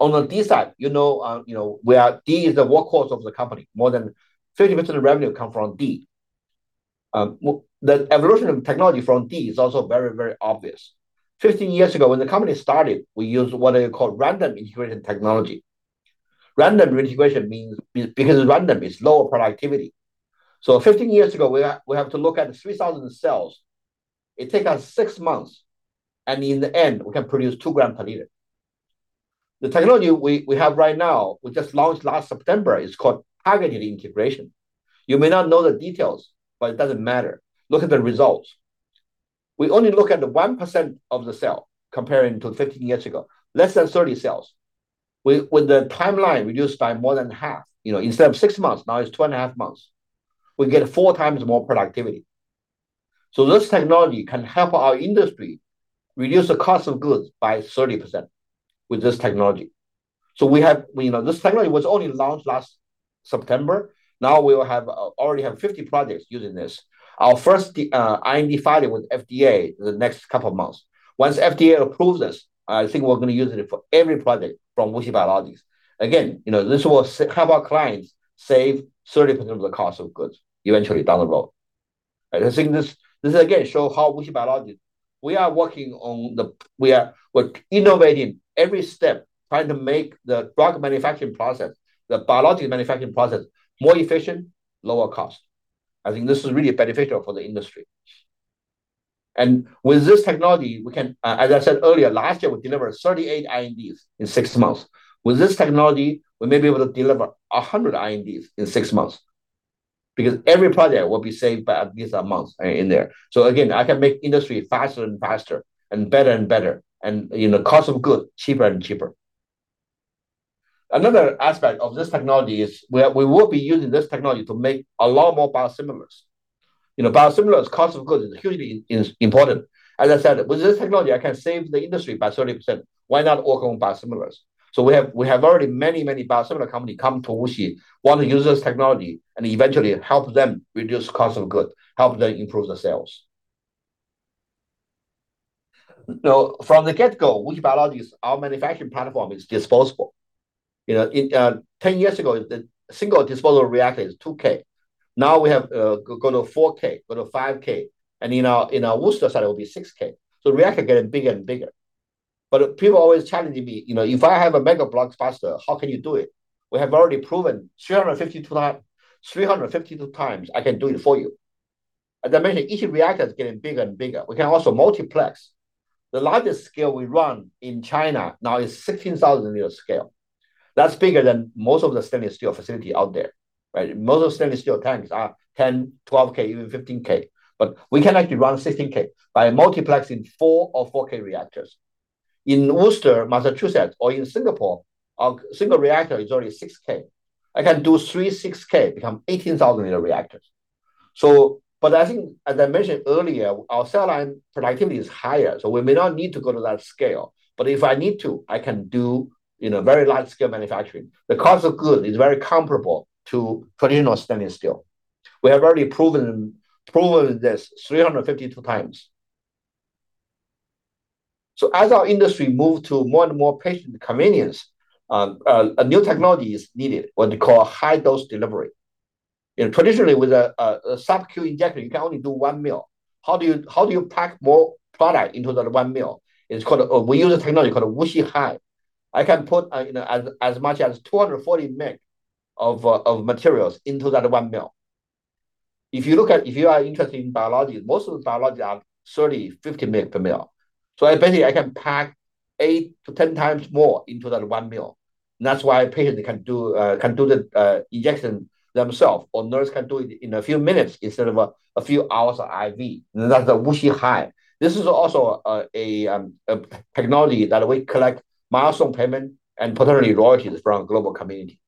On the D side, you know, where D is the workhorse of the company. More than 50% of the revenue come from D. The evolution of technology from D is also very, very obvious. 15 years ago, when the company started, we used what they call random integration technology. Random integration means because it's random, it's lower productivity. 15 years ago, we have to look at 3,000 cells. It take us 6 months, and in the end, we can produce 2 g/L. The technology we have right now, we just launched last September, is called targeted integration. You may not know the details, but it doesn't matter. Look at the results. We only look at the 1% of the cell comparing to 15 years ago, less than 30 cells. With the timeline reduced by more than half, you know, instead of 6 months, now it's 2.5 months. We get 4 times more productivity. This technology can help our industry reduce the cost of goods by 30% with this technology. We have, you know, this technology was only launched last September. Now we already have 50 projects using this. Our first IND filing with FDA the next couple of months. Once FDA approves this, I think we're gonna use it for every project from WuXi Biologics. Again, you know, this will help our clients save 30% of the cost of goods eventually down the road. I think this again shows how WuXi Biologics, we are working on. We're innovating every step, trying to make the drug manufacturing process, the biologic manufacturing process more efficient, lower cost. I think this is really beneficial for the industry. With this technology, we can, as I said earlier, last year, we delivered 38 INDs in six months. With this technology, we may be able to deliver 100 INDs in six months because every project will be saved by at least a month in there. Again, I can make industry faster and faster and better and better and, you know, cost of good cheaper and cheaper. Another aspect of this technology is we will be using this technology to make a lot more biosimilars. You know, biosimilars cost of good is hugely important. As I said, with this technology, I can save the industry by 30%. Why not work on biosimilars? We have already many biosimilar company come to WuXi, want to use this technology and eventually help them reduce cost of good, help them improve the sales. From the get-go, WuXi Biologics, our manufacturing platform is disposable. You know, in ten years ago, the single disposable reactor is 2K. Now we have gone to 4K, gone to 5K. In our Worcester site, it will be 6K. Reactor getting bigger and bigger. People are always challenging me, you know, if I have a mega block faster, how can you do it? We have already proven 352 times I can do it for you. As I mentioned, each reactor is getting bigger and bigger. We can also multiplex. The largest scale we run in China now is 16,000-liter scale. That's bigger than most of the stainless steel facility out there, right? Most of the stainless steel tanks are 10, 12K, even 15K. We can actually run 16K by multiplexing four 4K reactors. In Worcester, Massachusetts, or in Singapore, our single reactor is already 6K. I can do three 6K, become 18,000-liter reactors. I think, as I mentioned earlier, our cell line productivity is higher, so we may not need to go to that scale. If I need to, I can do, you know, very large scale manufacturing. The cost of goods is very comparable to traditional stainless steel. We have already proven this 352 times. As our industry moves to more and more patient convenience, a new technology is needed, what they call high dose delivery. You know, traditionally with a sub-Q injector, you can only do 1 mL. How do you pack more product into that 1 mL? We use a technology called a WuXiHigh. I can put as much as 240 mg of materials into that one mL. If you are interested in biologics, most of the biologics are 30, 50 mg per mL. So basically, I can pack 8-10 times more into that one mL. That's why patients can do the injection themselves, or nurse can do it in a few minutes instead of a few hours IV. That's a WuXiHigh. This is also a technology that we collect milestone payment and potentially royalties from global community.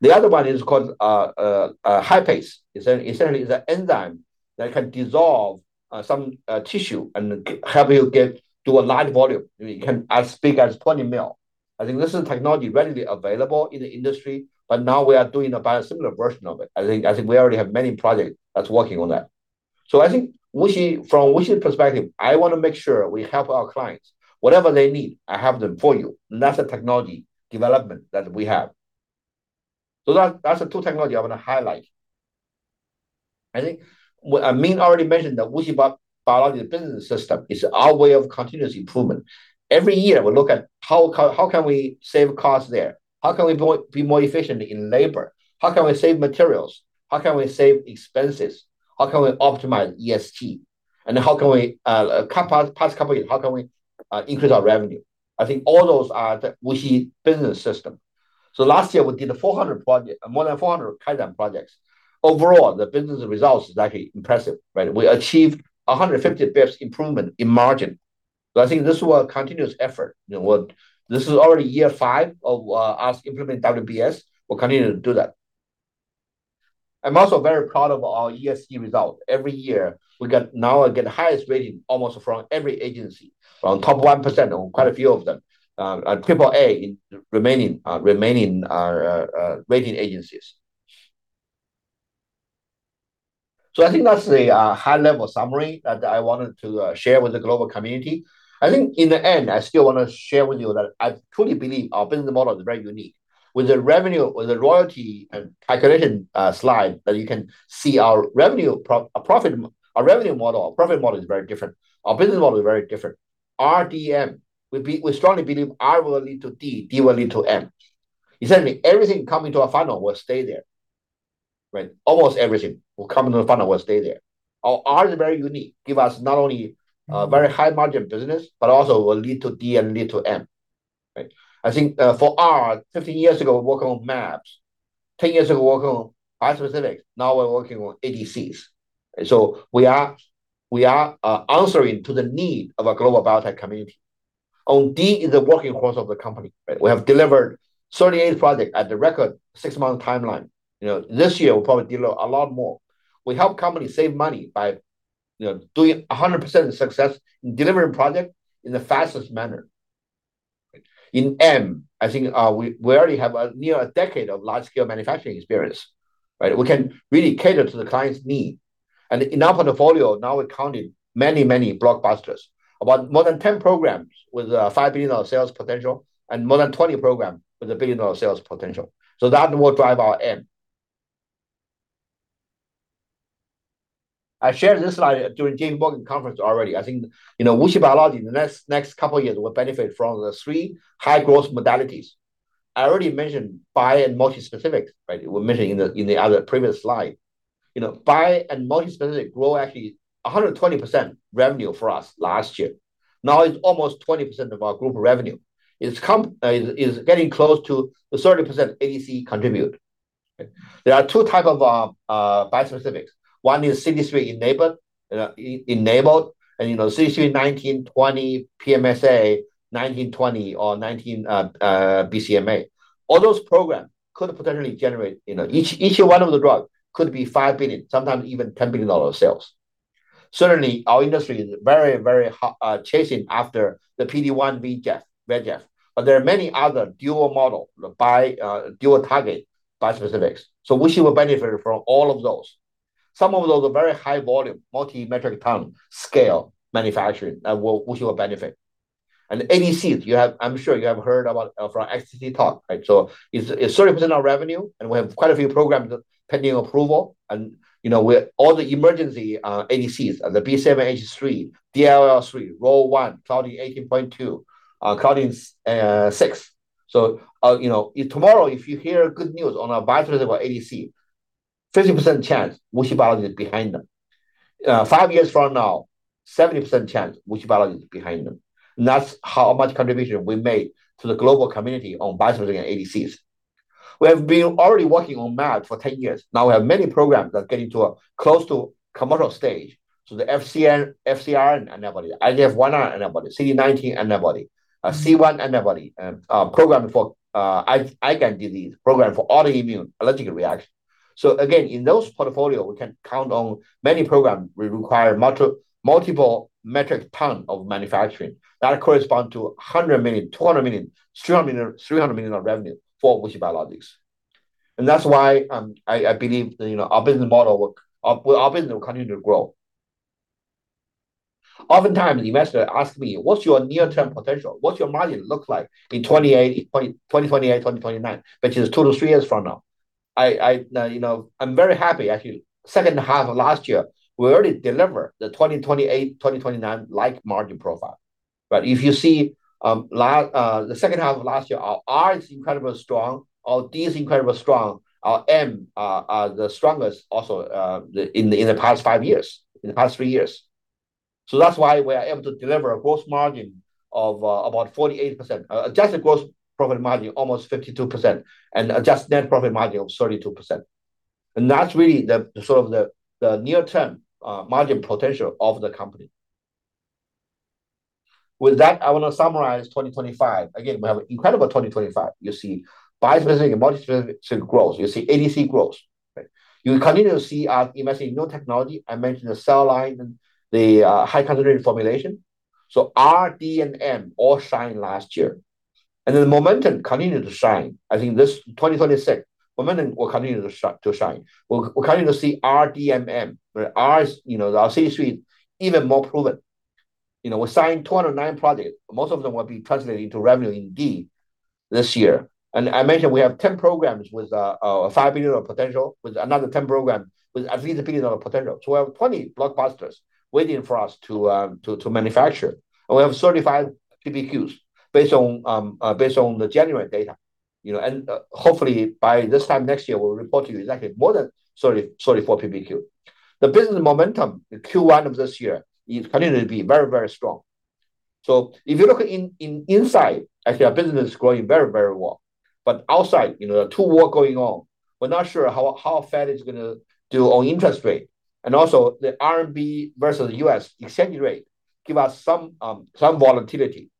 The other one is called HyPhase. Essentially, it's an enzyme that can dissolve some tissue and help you get to a large volume. It can be as big as 20 mil. I think this is technology readily available in the industry, but now we are doing a biosimilar version of it. I think we already have many projects that's working on that. I think WuXi, from WuXi perspective, I wanna make sure we help our clients. Whatever they need, I have them for you. That's the technology development that we have. That's the two technology I wanna highlight. I think what, I mean, I already mentioned that WuXi Business System is our way of continuous improvement. Every year, we look at how can we save costs there. How can we be more efficient in labor. How can we save materials. How can we save expenses. How can we optimize ESG. How can we, over the past couple years, increase our revenue? I think all those are the WuXi Business System. Last year, we did 400 projects, more than 400 Kaizen projects. Overall, the business results is actually impressive, right? We achieved 150 basis points improvement in margin. I think this is a continuous effort. You know, this is already year 5 of us implementing WBS. We'll continue to do that. I'm also very proud of our ESG results. Every year, we get now, again, the highest rating almost from every agency. We're on top 1% on quite a few of them. AAA in remaining rating agencies. I think that's the high-level summary that I wanted to share with the global community. I think in the end, I still wanna share with you that I truly believe our business model is very unique. With the revenue, with the royalty and calculation, slide that you can see our revenue model, our profit model is very different. Our business model is very different. RDM, we strongly believe R will lead to D will lead to M. Essentially, everything coming to our funnel will stay there, right? Almost everything will come into the funnel will stay there. Our R is very unique, give us not only very high margin business, but also will lead to D and lead to M, right? I think, for R, 15 years ago, working on mAbs, 10 years ago, working on bispecifics, now we're working on ADCs. We are answering to the need of a global biotech community. R&D is the working horse of the company, right? We have delivered 38 projects at the record 6-month timeline. You know, this year we'll probably deliver a lot more. We help companies save money by, you know, doing 100% success in delivering project in the fastest manner. In Manufacturing, I think, we already have near a decade of large-scale manufacturing experience, right? We can really cater to the client's need. In our portfolio, now we counted many, many blockbusters. About more than 10 programs with $5 billion of sales potential and more than 20 program with a $1 billion sales potential. That will drive our Manufacturing. I shared this slide during J.P. Morgan conference already. I think, you know, WuXi Biologics in the next couple of years will benefit from the three high-growth modalities. I already mentioned bi and multi-specifics, right? We mentioned in the other previous slide. You know, bi and multi-specific grow actually 120% revenue for us last year. Now it's almost 20% of our group revenue. It's getting close to the 30% ADC contribute. There are two type of bispecifics. One is CD3 enabled and, you know, CD3 19, 20, PSMA 19, 20 or 19, BCMA. All those programs could potentially generate, you know, each one of the drug could be $5 billion, sometimes even $10 billion dollars sales. Certainly, our industry is very, very hot chasing after the PD-1 VEGF. There are many other dual target bispecifics. WuXi will benefit from all of those. Some of those are very high volume, multi-metric ton scale manufacturing that WuXi will benefit. ADCs, you have, I'm sure you have heard about from WuXi XDC talk, right? It's 30% of revenue, and we have quite a few programs pending approval. With all the emerging ADCs, the B7H3, DLL3, FOLR1, Claudin 18.2, Claudin 6. If tomorrow you hear good news on a bispecific or ADC, 50% chance WuXi Biologics is behind them. Five years from now, 70% chance WuXi Biologics is behind them. That's how much contribution we made to the global community on bispecific and ADCs. We have been already working on mAbs for 10 years. Now we have many programs that are getting close to commercial stage. The FcRn antibody, IGF-1R antibody, CD19 antibody, C5 antibody, program for eye disease, program for autoimmune allergic reaction. In those portfolio, we can count on many programs will require multiple metric ton of manufacturing. That correspond to 100 million, 200 million, 300 million, 300 million of revenue for WuXi Biologics. That's why I believe you know our business model work our business will continue to grow. Oftentimes the investor ask me, "What's your near-term potential? What's your margin look like in 2028, 2029?" Which is 2 to 3 years from now. Now you know I'm very happy. Actually, second half of last year, we already delivered the 2028, 2029 like margin profile, right? If you see, the second half of last year, our R is incredibly strong, our D is incredibly strong. Our M the strongest also, in the past five years, in the past three years. That's why we are able to deliver a gross margin of about 48%, adjusted gross profit margin almost 52%, and adjusted net profit margin of 32%. That's really the sort of the near-term margin potential of the company. With that, I want to summarize 2025. Again, we have an incredible 2025. You see bispecific and multi-specific growth. You see ADC growth, right? You continue to see our investing in new technology. I mentioned the cell line and the high-concentration formulation. R, D, and M all shine last year. The momentum continue to shine. I think 2026, momentum will continue to shine. We'll continue to see RDMM, where R is, you know, our CD3 even more proven. You know, we're signing 209 projects. Most of them will be translating to revenue in D this year. I mentioned we have 10 programs with a $5 billion of potential, with another 10 program with at least a $1 billion potential. We have plenty blockbusters waiting for us to manufacture. We have 35 PPQs based on the January data. You know, hopefully by this time next year, we'll report to you exactly more than 34 PPQ. The business momentum, the Q1 of this year is continuing to be very, very strong. If you look inside, actually our business is growing very, very well. Outside, you know, there are two wars going on. We're not sure how the Fed is gonna do on interest rate. Also the RMB versus the U.S. exchange rate give us some volatility.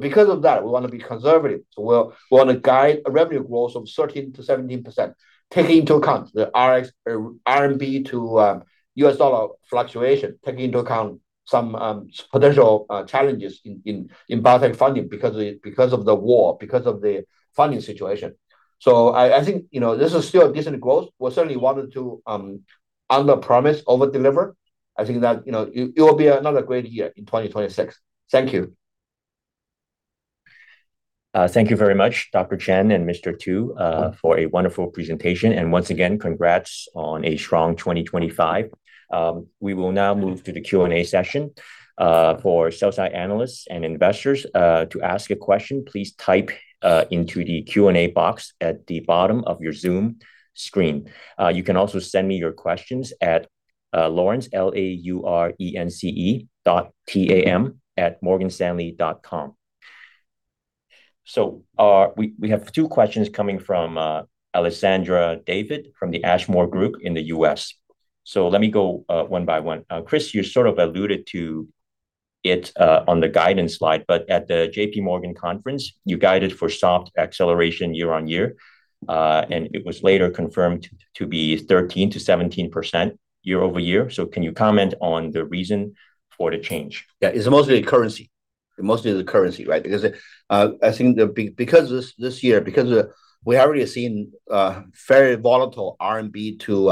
Because of that, we wanna be conservative. We wanna guide a revenue growth of 13%-17%, taking into account the FX or RMB to U.S. dollar fluctuation, taking into account some potential challenges in biotech funding because of the war, because of the funding situation. I think, you know, this is still a decent growth. We certainly wanted to underpromise, overdeliver. I think that, you know, it will be another great year in 2026. Thank you. Thank you very much, Dr. Chen and Mr. Tu, for a wonderful presentation. Once again, congrats on a strong 2025. We will now move to the Q&A session. For sell-side analysts and investors to ask a question, please type into the Q&A box at the bottom of your Zoom screen. You can also send me your questions at laurence.tam@morganstanley.com. We have two questions coming from Alessandra Daverio from the Ashmore Group in the U.S. Let me go one by one. Chris, you sort of alluded to it on the guidance slide, but at the J.P. Morgan conference, you guided for soft acceleration year on year, and it was later confirmed to be 13%-17% year-over-year. Can you comment on the reason for the change? Yeah. It's mostly the currency. Mostly the currency, right? Because I think, because this year, we already seen very volatile RMB to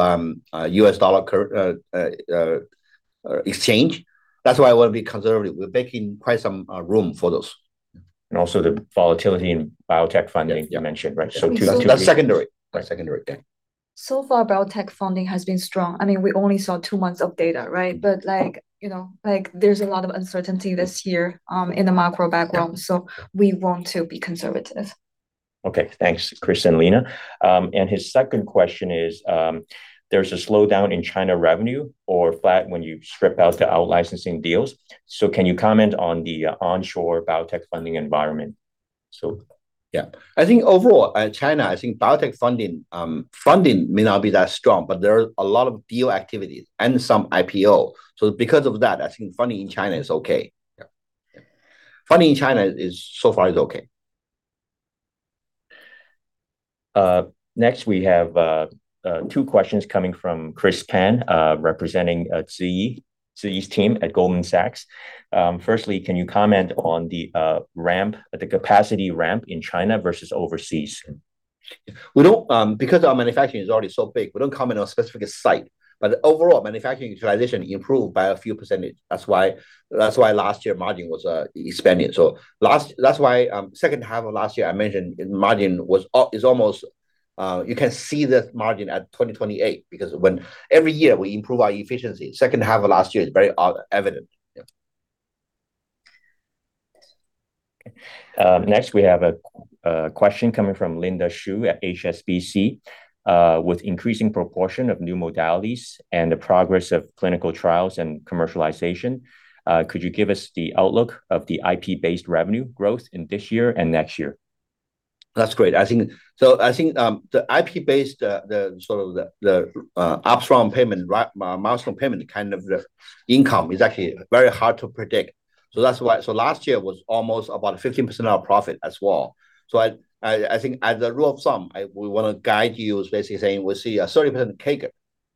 US dollar currency exchange, that's why I wanna be conservative. We're making quite some room for those. The volatility in biotech funding you mentioned, right? Two reasons. That's secondary. Yeah. So far, biotech funding has been strong. I mean, we only saw two months of data, right? Like, you know, like, there's a lot of uncertainty this year, in the macro background, so we want to be conservative. Okay. Thanks, Chris and Lina. His second question is, there's a slowdown in China revenue or flat when you strip out the out licensing deals. Can you comment on the onshore biotech funding environment? Yeah. I think overall, China, I think biotech funding may not be that strong, but there are a lot of deal activities and some IPO. Because of that, I think funding in China is okay. Yeah. Funding in China so far is okay. Next we have two questions coming from Chris Pan representing Ziyi Chen team at Goldman Sachs. Firstly, can you comment on the ramp, the capacity ramp in China versus overseas? We don't because our manufacturing is already so big, we don't comment on specific site. Overall, manufacturing utilization improved by a few %. That's why last year margin was expanding. That's why second half of last year, I mentioned margin was almost. You can see the margin at 20-28% because when every year we improve our efficiency, second half of last year is very evident. Yeah. Okay. Next we have a question coming from Linda Xu at HSBC. With increasing proportion of new modalities and the progress of clinical trials and commercialization, could you give us the outlook of the IP-based revenue growth in this year and next year? That's great. I think the IP-based sort of the upfront payment, right, milestone payment kind of income is actually very hard to predict. That's why last year was almost about 15% of profit as well. I think as a rule of thumb, we wanna guide you is basically saying we see a 30% CAGR,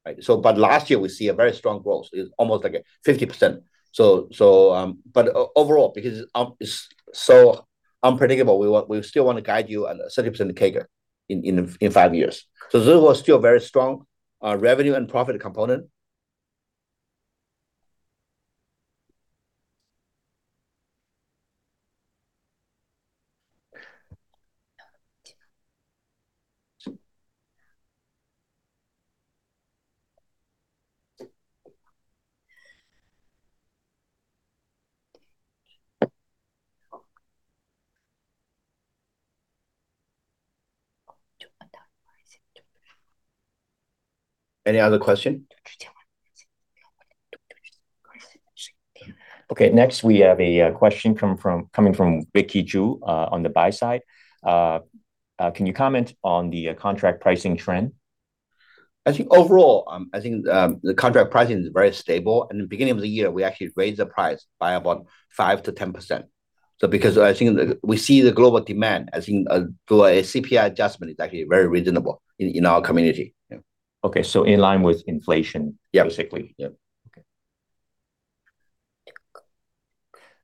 right? But last year we see a very strong growth. It's almost like a 50%. Overall, because it's so unpredictable, we still wanna guide you at a 30% CAGR in five years. This was still a very strong revenue and profit component. Any other question? Okay. Next we have a question coming from Vicky Zhu on the buy side. Can you comment on the contract pricing trend? I think overall the contract pricing is very stable. In the beginning of the year, we actually raised the price by about 5%-10%. Because I think we see the global demand, I think through a CPI adjustment is actually very reasonable in our community. Okay. In line with inflation. Yeah. -basically. Yeah. Okay.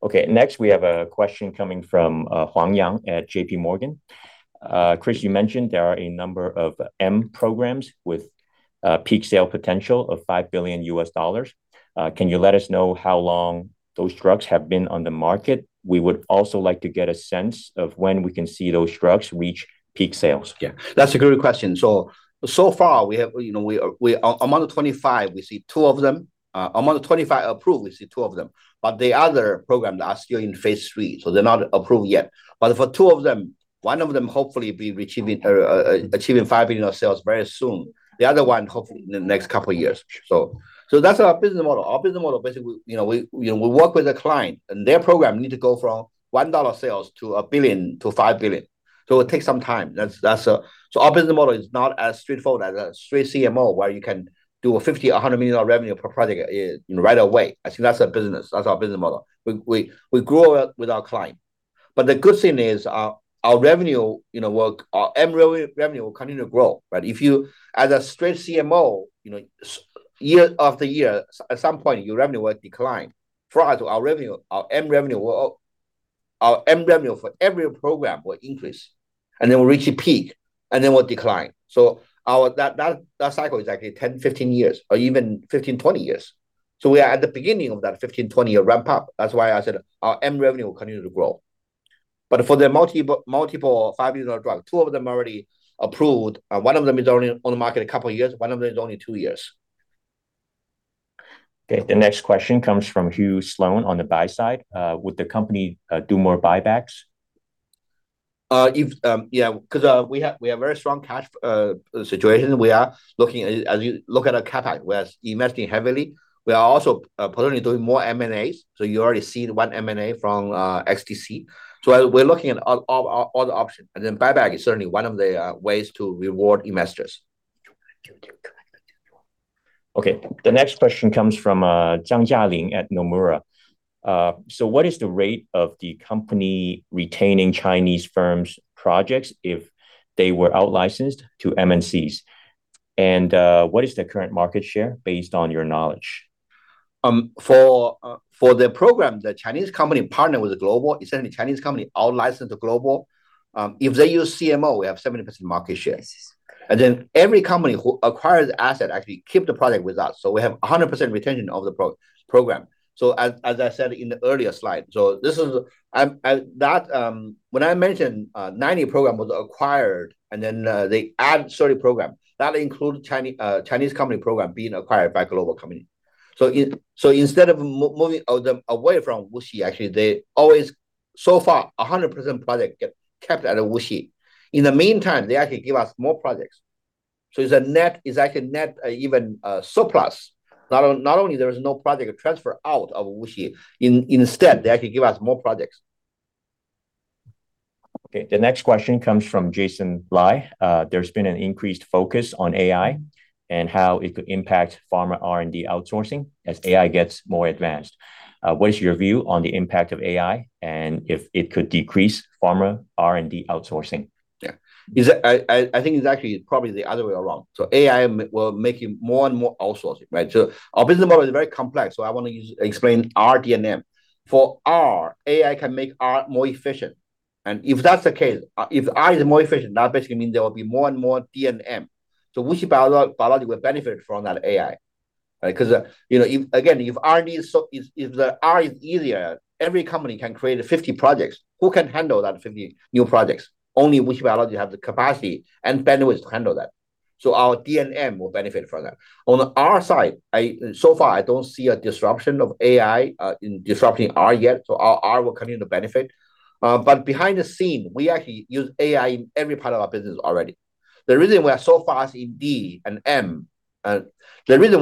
Okay, next we have a question coming from Yang Huang at J.P. Morgan. Chris, you mentioned there are a number of mAb programs with peak sales potential of $5 billion. Can you let us know how long those drugs have been on the market? We would also like to get a sense of when we can see those drugs reach peak sales. Yeah. That's a great question. So far we have, you know, among the 25, we see two of them. Among the 25 approved, we see two of them. The other program that are still in phase III, so they're not approved yet. For two of them. One of them hopefully achieving $5 billion of sales very soon. The other one, hopefully in the next couple years. That's our business model. Our business model, basically, you know, we work with a client, and their program need to go from $1 sales to $1 billion to $5 billion. It takes some time. That's our business model is not as straightforward as a straight CMO where you can do 50, $100 million revenue per project, you know, right away. I think that's a business. That's our business model. We grow with our client. The good thing is our revenue, you know, our M revenue will continue to grow, right? If you, as a straight CMO, you know, year after year, at some point your revenue will decline. For us, our M revenue for every program will increase, and then we'll reach a peak, and then we'll decline. That cycle is actually 10, 15 years, or even 15, 20 years. We are at the beginning of that 15, 20-year ramp-up. That's why I said our M revenue will continue to grow. For the multiple $5 billion drug, 2 of them are already approved, and one of them is only on the market a couple of years. One of them is only two years. Okay. The next question comes from Hugh Sloane on the buy side. Would the company do more buybacks? We have very strong cash situation. We are looking at, as you look at our CapEx, we are investing heavily. We are also potentially doing more MNAs. You already see one MNA from XDC. We're looking at all the options, and then buyback is certainly one of the ways to reward investors. Okay. The next question comes from Zhang Jialin at Nomura. What is the rate of the company retaining Chinese firms' projects if they were out-licensed to MNCs? What is their current market share based on your knowledge? For the program, the Chinese company partner with the global, essentially Chinese company out-license the global. If they use CMO, we have 70% market share. Then every company who acquires asset actually keep the product with us, so we have 100% retention of the program. As I said in the earlier slide, this is. When I mentioned, 90 program was acquired and then, they add 30 program, that includes Chinese company program being acquired by global company. Instead of moving all them away from WuXi, actually, they always, so far, 100% project get kept out of WuXi. In the meantime, they actually give us more projects. It's a net, it's actually net even surplus. Not only there is no project transfer out of WuXi, instead they actually give us more projects. Okay. The next question comes from Jason Lai. There's been an increased focus on AI and how it could impact pharma R&D outsourcing as AI gets more advanced. What is your view on the impact of AI and if it could decrease pharma R&D outsourcing? Yeah. I think it's actually probably the other way around. AI will make it more and more outsourcing, right? Our business model is very complex, so I wanna use, explain R&D and M. For R, AI can make R more efficient. If that's the case, if R is more efficient, that basically means there will be more and more D and M. WuXi Biologics will benefit from that AI, right? 'Cause, you know, if again, if R&D is so, if the R is easier, every company can create 50 projects. Who can handle that 50 new projects? Only WuXi Biologics have the capacity and bandwidth to handle that. Our D and M will benefit from that. On the R side, so far I don't see a disruption of AI in disrupting R yet, so R will continue to benefit. But behind the scenes, we actually use AI in every part of our business already. The reason we are so fast in D and M and the reason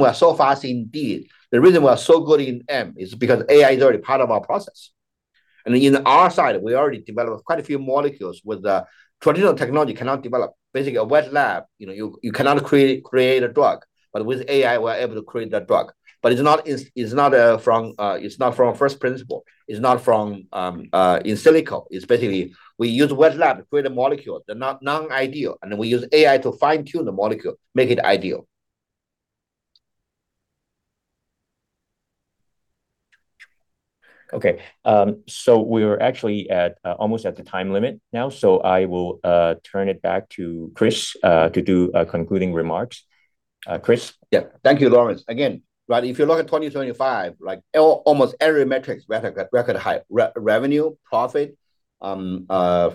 we're so good in M is because AI is already part of our process. In the R side, we already developed quite a few molecules that the traditional technology cannot develop. Basically, in a wet lab, you know, you cannot create a drug. But with AI, we're able to create that drug. But it's not from first principles. It's not from in silico. It's basically we use wet lab to create a molecule. They're not non-ideal, and then we use AI to fine-tune the molecule, make it ideal. Okay. We're actually almost at the time limit now, so I will turn it back to Chris to do concluding remarks. Chris? Yeah. Thank you, Lawrence. Again, right, if you look at 2025, like almost every metric we're at a record high. Revenue, profit,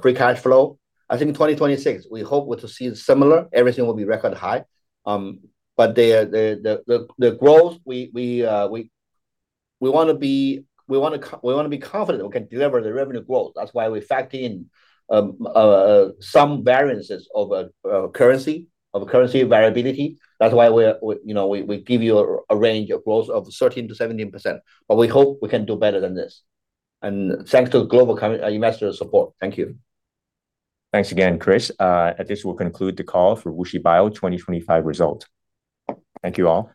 free cash flow. I think in 2026 we hope to see similar, everything will be record high. The growth, we wanna be confident we can deliver the revenue growth. That's why we factor in some variances of currency variability. That's why we, you know, give you a range of growth of 13%-17%. We hope we can do better than this. Thanks to global investors' support. Thank you. Thanks again, Chris. This will conclude the call for WuXi Biologics 2025 results. Thank you all.